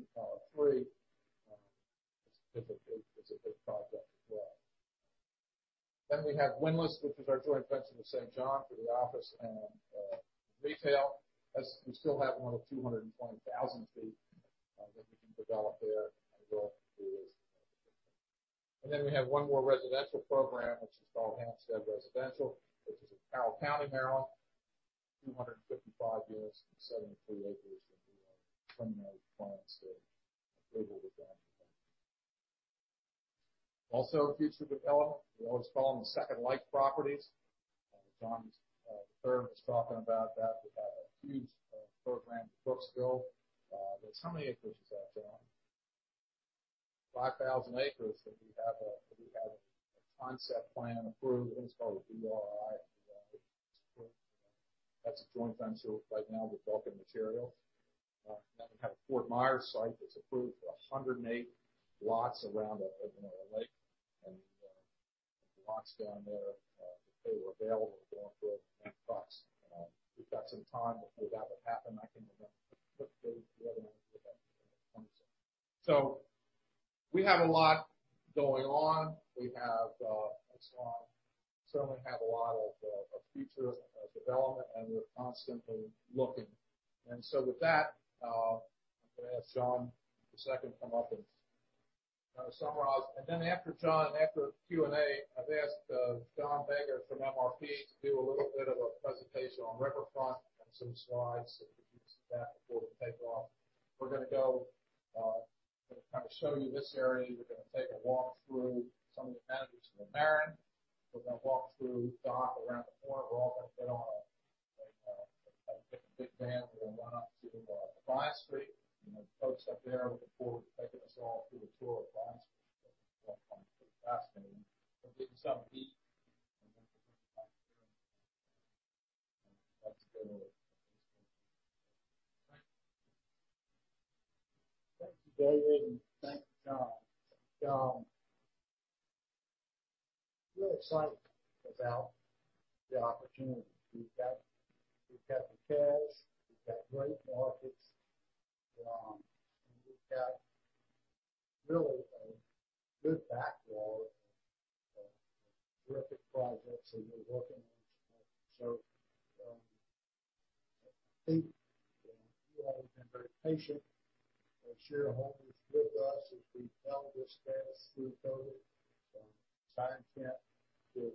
A: III. It's a big project as well. We have Windlass, which is our joint venture with St. John Properties for the office and retail. As we still have more than 220,000 sq ft that we can develop there, and we're going through this. We have one more residential program, which is called Hampstead Residential, which is in Carroll County, Maryland, 255 units and 73 acres that we are currently in the final stage of approval with that. Also future development, we always call them the second life properties. John Third was talking about that. We've got a huge program in Brooksville. How many acres is that, John?
B: 5,000 acres that we have a concept plan approved, and it's called a Development of Regional Impact. That's a joint venture right now with Vulcan Materials. We have a Fort Myers site that is approved for 108 lots around an open lake, and the lots down there, if they were available, are going for over $10,000. We have got some time before that would happen. I can put those together and put that in concept.
A: We have a lot going on. We have, as John said, we have a lot of future development, and we are constantly looking. With that, I am going to ask John II come up and kind of summarize. After John, after the Q&A, I have asked John Begert from MRP to do a little bit of a presentation on Riverfront and some slides, so you can see that before we take off. We are going to kind of show you this area. We are going to take a walk through some of the amenities in The Maren. We're going to walk through, hop around the corner. We're all going to get on a big van. We're going to run up to Bryant Street, and the folks up there are looking forward to taking us all through a tour of Bryant Street, which I find pretty fascinating. We're getting something to eat, and then we'll come back here.
E: Thank you, David, and thank you, John. John, we're excited about the opportunity. We've got the cash, we've got great markets, and we've got really a good backlog of terrific projects that we're working on. I think you all have been very patient as shareholders with us as we've held this status through COVID. Time can't wait.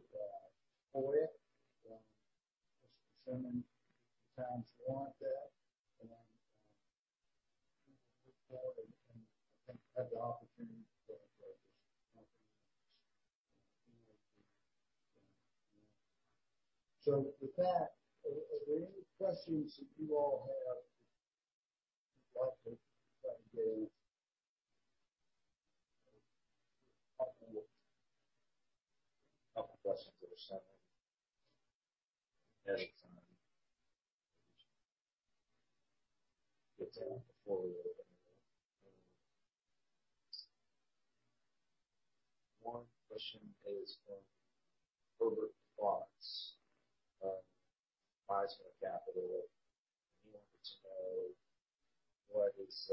E: It's consuming. Times want that, and we look forward and I think have the opportunity to. With that, are there any questions that you all have?
F: [audio ditortion] One question is from Herbert Fox of Wiseman Capital. He wanted to know what is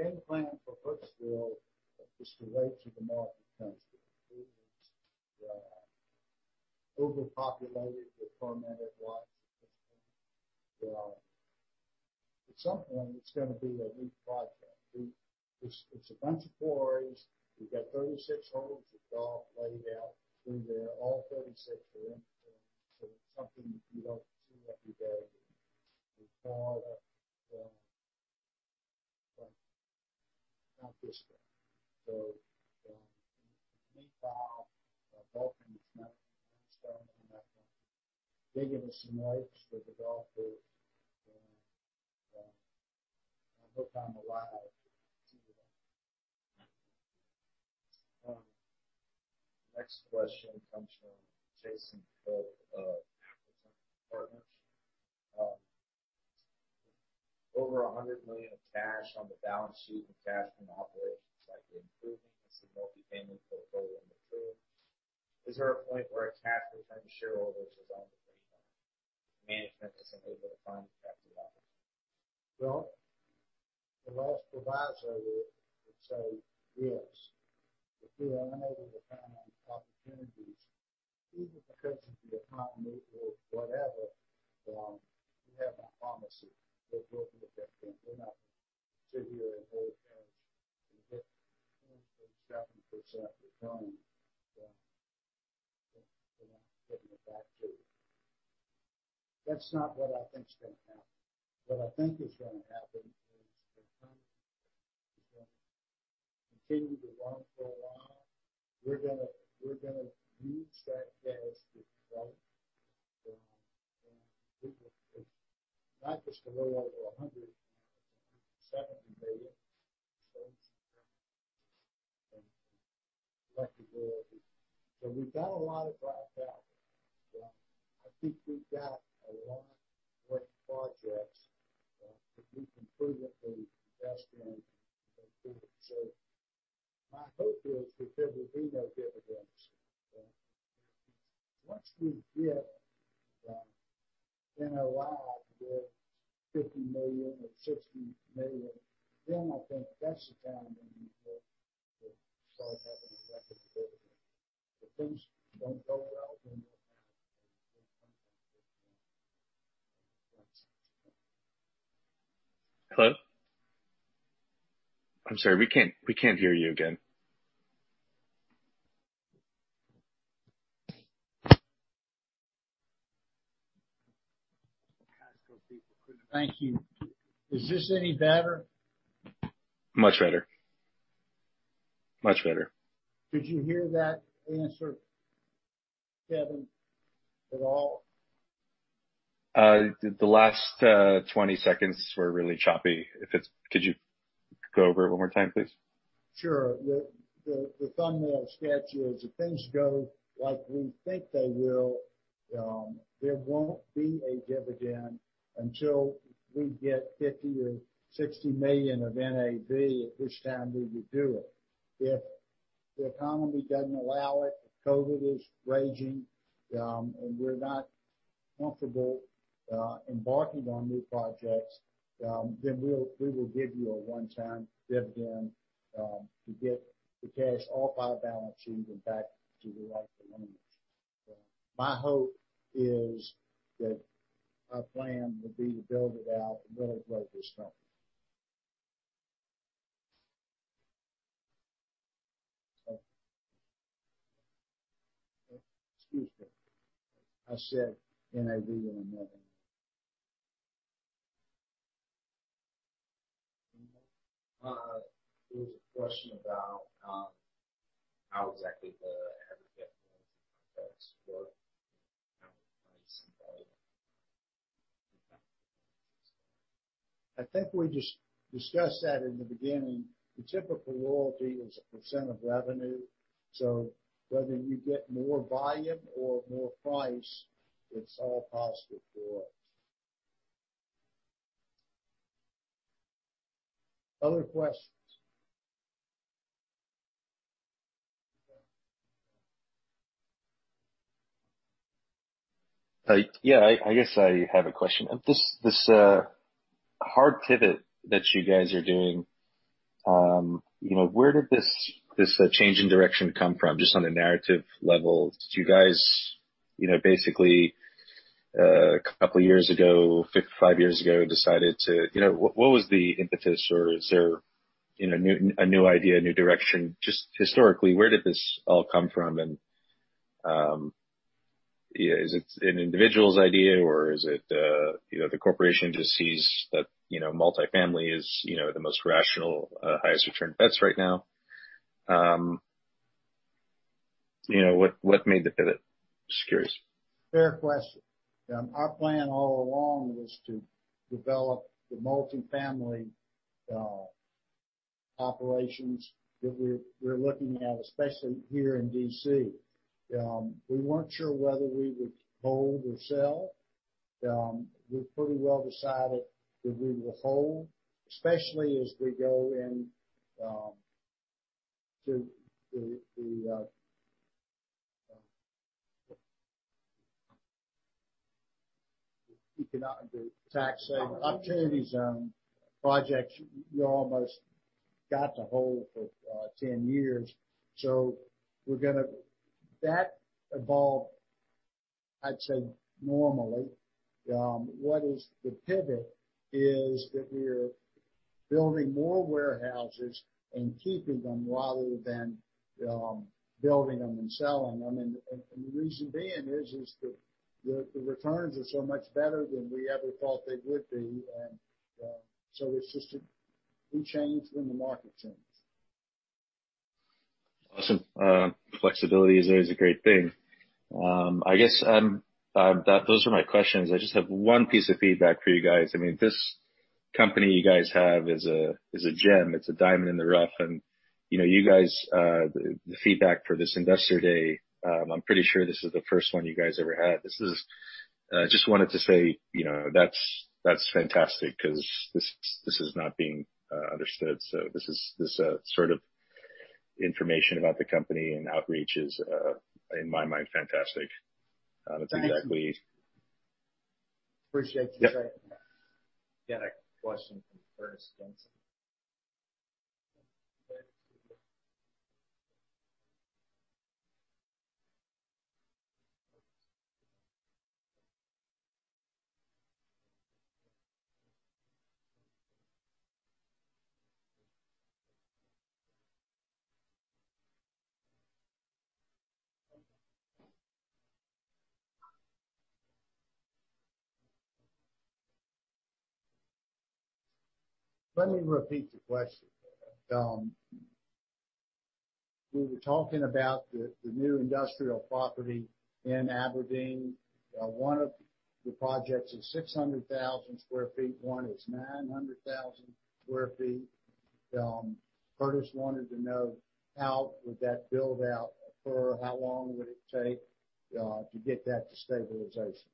F: the game plan for Brooksville?
B: The game plan for Brooksville just relates to the market trends. It is overpopulated with permitted lots at this point. At some point, it's going to be a new project. It's a bunch of quarries. We've got 36 holes of golf laid out through there, all 36 are in. It's something you don't see every day. We call it the country club. In the meanwhile, Vulcan is starting to come back, digging us some lakes for the golfers, and I hope I'm alive to see that.
F: Next question comes from Jason Cook of Appleton Partners. With over $100 million of cash on the balance sheet and cash from operations likely improving as the multifamily portfolio matures, is there a point where a cash return to shareholders is on the radar if management isn't able to find attractive opportunities?
B: Well, the last advisor would say yes. If we are unable to find opportunities, even because of the economy or whatever, we have no promise that we'll give it back to you. We're not going to sit here and hold cash and get 2% or 7% return. We're not giving it back to you. That's not what I think is going to happen. What I think is going to happen is the economy is going to continue to run for a while. We're going to use that cash to develop and not just to roll over $100 million, but $170 million [audio ditortion]. We've got a lot of dry powder. I think we've got a lot of great projects that we can prove that they invest in and improve it. My hope is that there will be no dividends. Once we get NAV above $50 million or $60 million, then I think that's the time when we will start having a record dividend. If things don't go well, then [audio ditortion].
G: Hello? I'm sorry, we can't hear you again.
B: Thank you. Is this any better?
G: Much better.
B: Did you hear that answer, Kevin, at all?
G: The last 20 seconds were really choppy. Could you go over it one more time, please?
B: Sure. The thumbnail sketch is if things go like we think they will, there won't be a dividend until we get $50 million or $60 million of NAV, at which time we would do it. If the economy doesn't allow it, if COVID is raging, and we're not comfortable embarking on new projects, then we will give you a one-time dividend to get the cash off our balance sheet and back to the right owners. My hope is that our plan would be to build it out and really grow this company. Excuse me. I said NAV of $111.
G: There was a question about how exactly the aggregate royalty contracts work and how the price and volume impact the royalties.
B: I think we just discussed that in the beginning. The typical royalty is a percentage of revenue. Whether you get more volume or more price, it's all positive for us. Other questions?
G: Yeah, I guess I have a question. This hard pivot that you guys are doing, where did this change in direction come from? Just on a narrative level, did you guys, basically, a couple years ago, five years ago, What was the impetus, or is there a new idea, a new direction? Just historically, where did this all come from? Is it an individual's idea, or is it the corporation just sees that multifamily is the most rational, highest return bets right now? What made the pivot? Just curious.
B: Fair question. Our plan all along was to develop the multifamily operations that we're looking at, especially here in D.C. We weren't sure whether we would hold or sell. We've pretty well decided that we will hold, especially as we go in to the economic tax saving Opportunity Zone projects, you almost got to hold for 10 years. That evolved, I'd say normally. What is the pivot is that we're building more warehouses and keeping them rather than building them and selling them. The reason being is that the returns are so much better than we ever thought they would be. We changed when the market changed.
G: Awesome. Flexibility is always a great thing. I guess those are my questions. I just have one piece of feedback for you guys. This company you guys have is a gem. It's a diamond in the rough. The feedback for this Investor Day, I'm pretty sure this is the first one you guys ever had. Just wanted to say, that's fantastic because this is not being understood. This sort of information about the company and outreach is in my mind, fantastic.
B: Thanks.
G: It's exactly.
B: Appreciate you saying that.
A: Got a question from Curtis Jensen. [audio ditortion]
B: Let me repeat the question. We were talking about the new industrial property in Aberdeen. One of the projects is 600,000 sq ft, one is 900,000 sq ft. Curtis wanted to know how would that build out for how long would it take to get that to stabilization.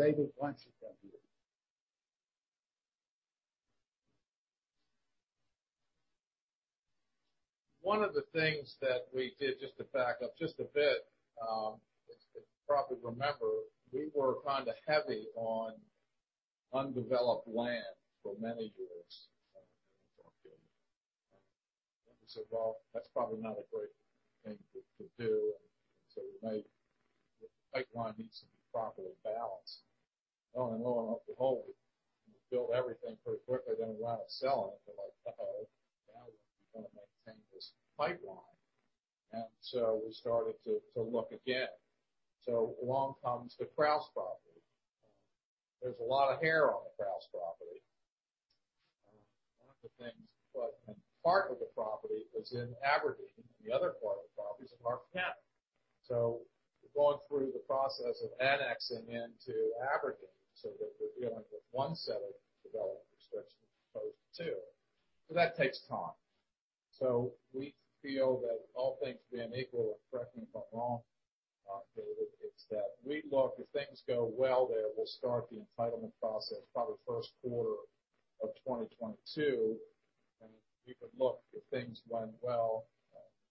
B: David, why don't you take it.
H: One of the things that we did, just to back up just a bit, as you probably remember, we were kind of heavy on undeveloped land for many years. We said, "Well, that's probably not a great thing to do." We made The pipeline needs to be properly balanced. Lo and behold, we built everything pretty quickly, then we wound up selling it. We're like, "Oh, now we've got to maintain this pipeline." We started to look again. Along comes the Krause property. There's a lot of hair on the Krause property. One of the things, but part of the property is in Aberdeen, and the other part of the property is in Harford County. We're going through the process of annexing into Aberdeen so that we're dealing with one set of development restrictions as opposed to two. That takes time.
B: We feel that all things being equal, and correct me if I'm wrong, David, if things go well there, we'll start the entitlement process probably first quarter of 2022. We could, if things went well,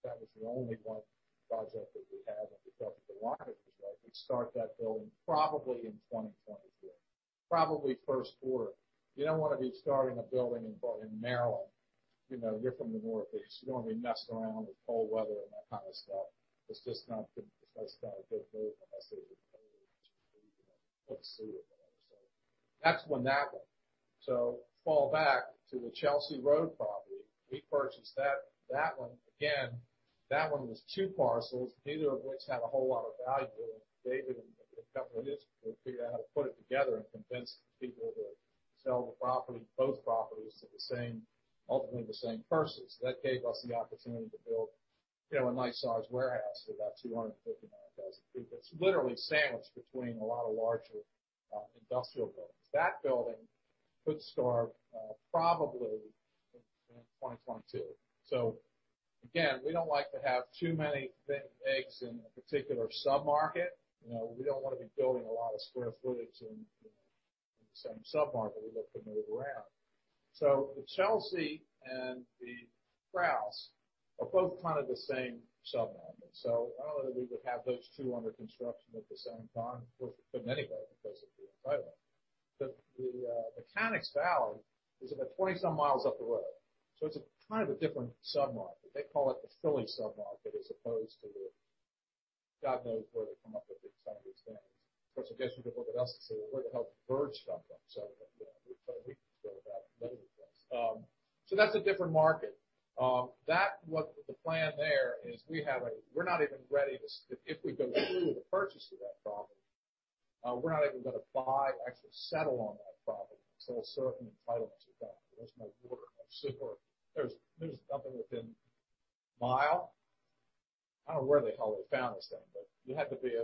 B: that was the only one project that we have, and we felt that the market was right, we'd start that building probably in 2023, probably first quarter. You don't want to be starting a building in Maryland. You're from the Northeast. You don't want to be messing around with cold weather and that kind of stuff. It's just not a good move unless that's one. Fall back to the Chelsea Road property. We purchased that one. That one was two parcels, neither of which had a whole lot of value, and David and a couple of his crew figured out how to put it together and convince the people to sell the property, both properties to ultimately the same parties. That gave us the opportunity to build a nice size warehouse of about 259,000 sq ft that's literally sandwiched between a lot of larger industrial buildings. That building could start probably in 2022. Again, we don't like to have too many eggs in a particular sub-market. We don't want to be building a lot of square footage in the same sub-market. We look to move around. The Chelsea and the Krause are both kind of the same sub-market. Not only we would have those two under construction at the same time, we couldn't anyway because of the entitlement. The Mechanics Valley is about 20 some miles up the road. It's a kind of a different sub-market. They call it the Philly sub-market as opposed to the God knows where they come up with some of these things. Of course, I guess you could look at us and say, where the hell did birds come from? We can go about many things. That's a different market. The plan there is we're not even ready to If we go through the purchase of that property, we're not even going to buy, actually settle on that property until certain entitlements are done. There's no water, no sewer. There's nothing within one mile. I don't know where the hell they found this thing, but you have to be a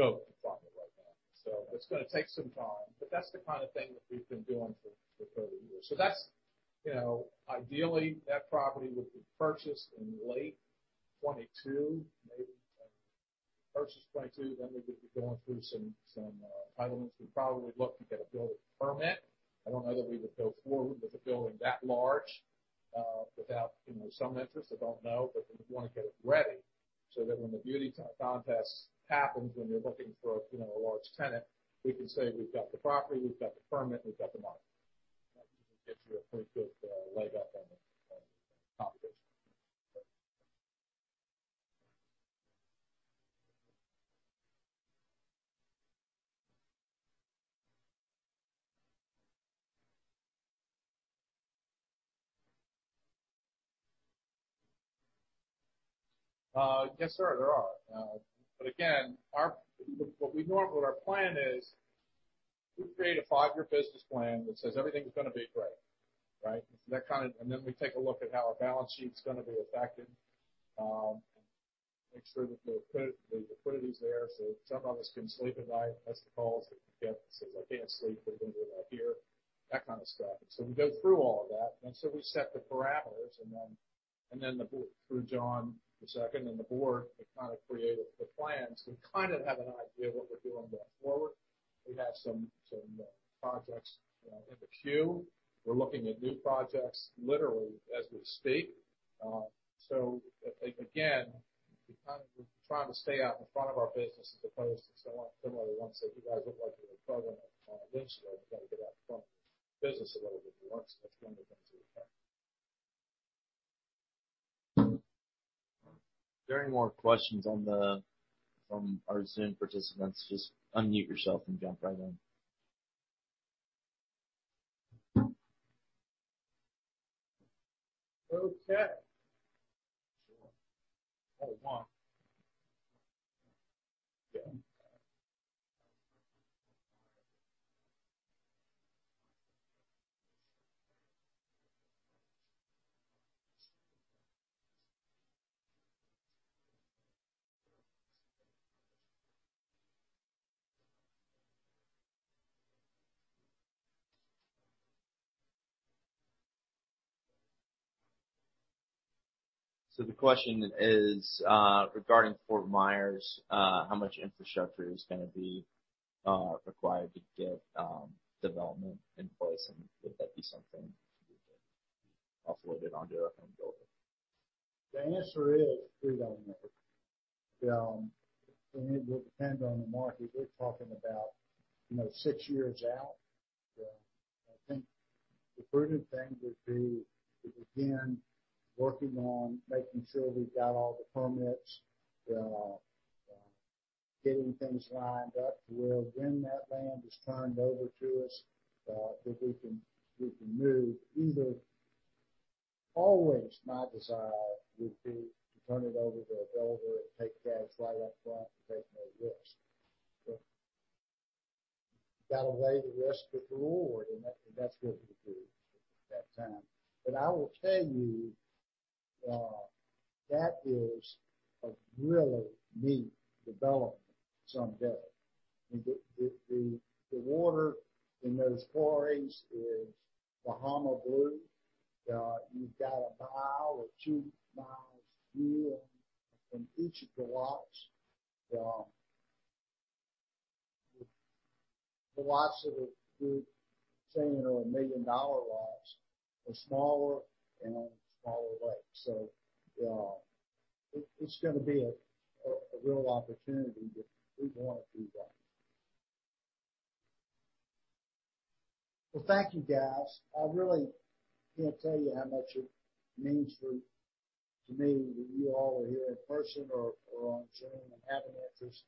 B: goat to find it right now. It's going to take some time, but that's the kind of thing that we've been doing for 30 years. Ideally, that property would be purchased in late 2022, maybe. Purchased 2022, we would be going through some entitlements. We'd probably look to get a building permit. I don't know that we would go forward with a building that large, without some interest. I don't know, but we want to get it ready so that when the beauty contest happens, when you're looking for a large tenant, we can say, "We've got the property, we've got the permit, we've got the money." That usually gets you a pretty good leg up on the competition. Yes, sir, there are. Again, what our plan is, we create a five-year business plan that says everything's going to be great, right? We take a look at how our balance sheet's going to be affected. Make sure that the liquidity's there so some of us can sleep at night. That's the calls that we get that says, "I can't sleep. What are you going to do about here?" That kind of stuff. We go through all of that, and so we set the parameters, and then through John II and the board, we kind of create the plans. We kind of have an idea of what we're doing going forward. We have some projects in the queue. We're looking at new projects literally as we speak. Again, we're trying to stay out in front of our business as opposed to similar ones that you guys would like to do a program on eventually. We've got to get out in front of the business a little bit if you want, so that's one of the things that we're trying.
F: If there are any more questions from our Zoom participants, just unmute yourself and jump right in.
B: Okay. [audio ditortion]
F: The question is, regarding Fort Myers, how much infrastructure is going to be required to get development in place, and would that be something to be offloaded onto a home builder?
B: The answer is we don't know. It will depend on the market. We're talking about six years out. I think the prudent thing would be to begin working on making sure we've got all the permits, getting things lined up to where when that land is turned over to us, that we can move either Always my desire would be to turn it over to a builder and take cash right up front and take no risk. You got to weigh the risk with the reward, and that's what we'll do at that time. I will tell you, that is a really neat development someday. The water in those quarries is Bahama blue. You've got 1 mi or 2 mi view from each of the lots. The lots that we're saying are million-dollar lots are smaller and on smaller lakes. It's going to be a real opportunity, but we want to do that. Well, thank you, guys. I really can't tell you how much it means to me that you all are here in person or on Zoom and have an interest.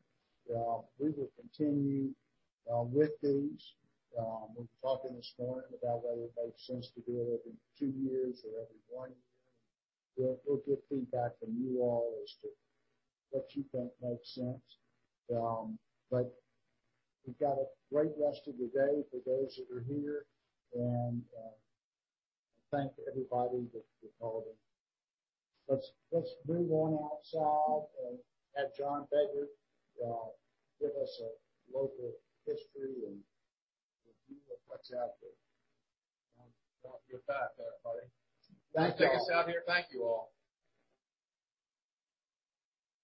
B: We will continue with these. We were talking this morning about whether it makes sense to do it every two years or every one year, and we'll get feedback from you all as to what you think makes sense. You've got a great rest of your day for those that are here, and thank everybody that called in. Let's move on outside and have John Begert give us a local history and a view of what's out there.
A: Don't give back, buddy.
B: Thank you all.
A: Take us out here. Thank you all.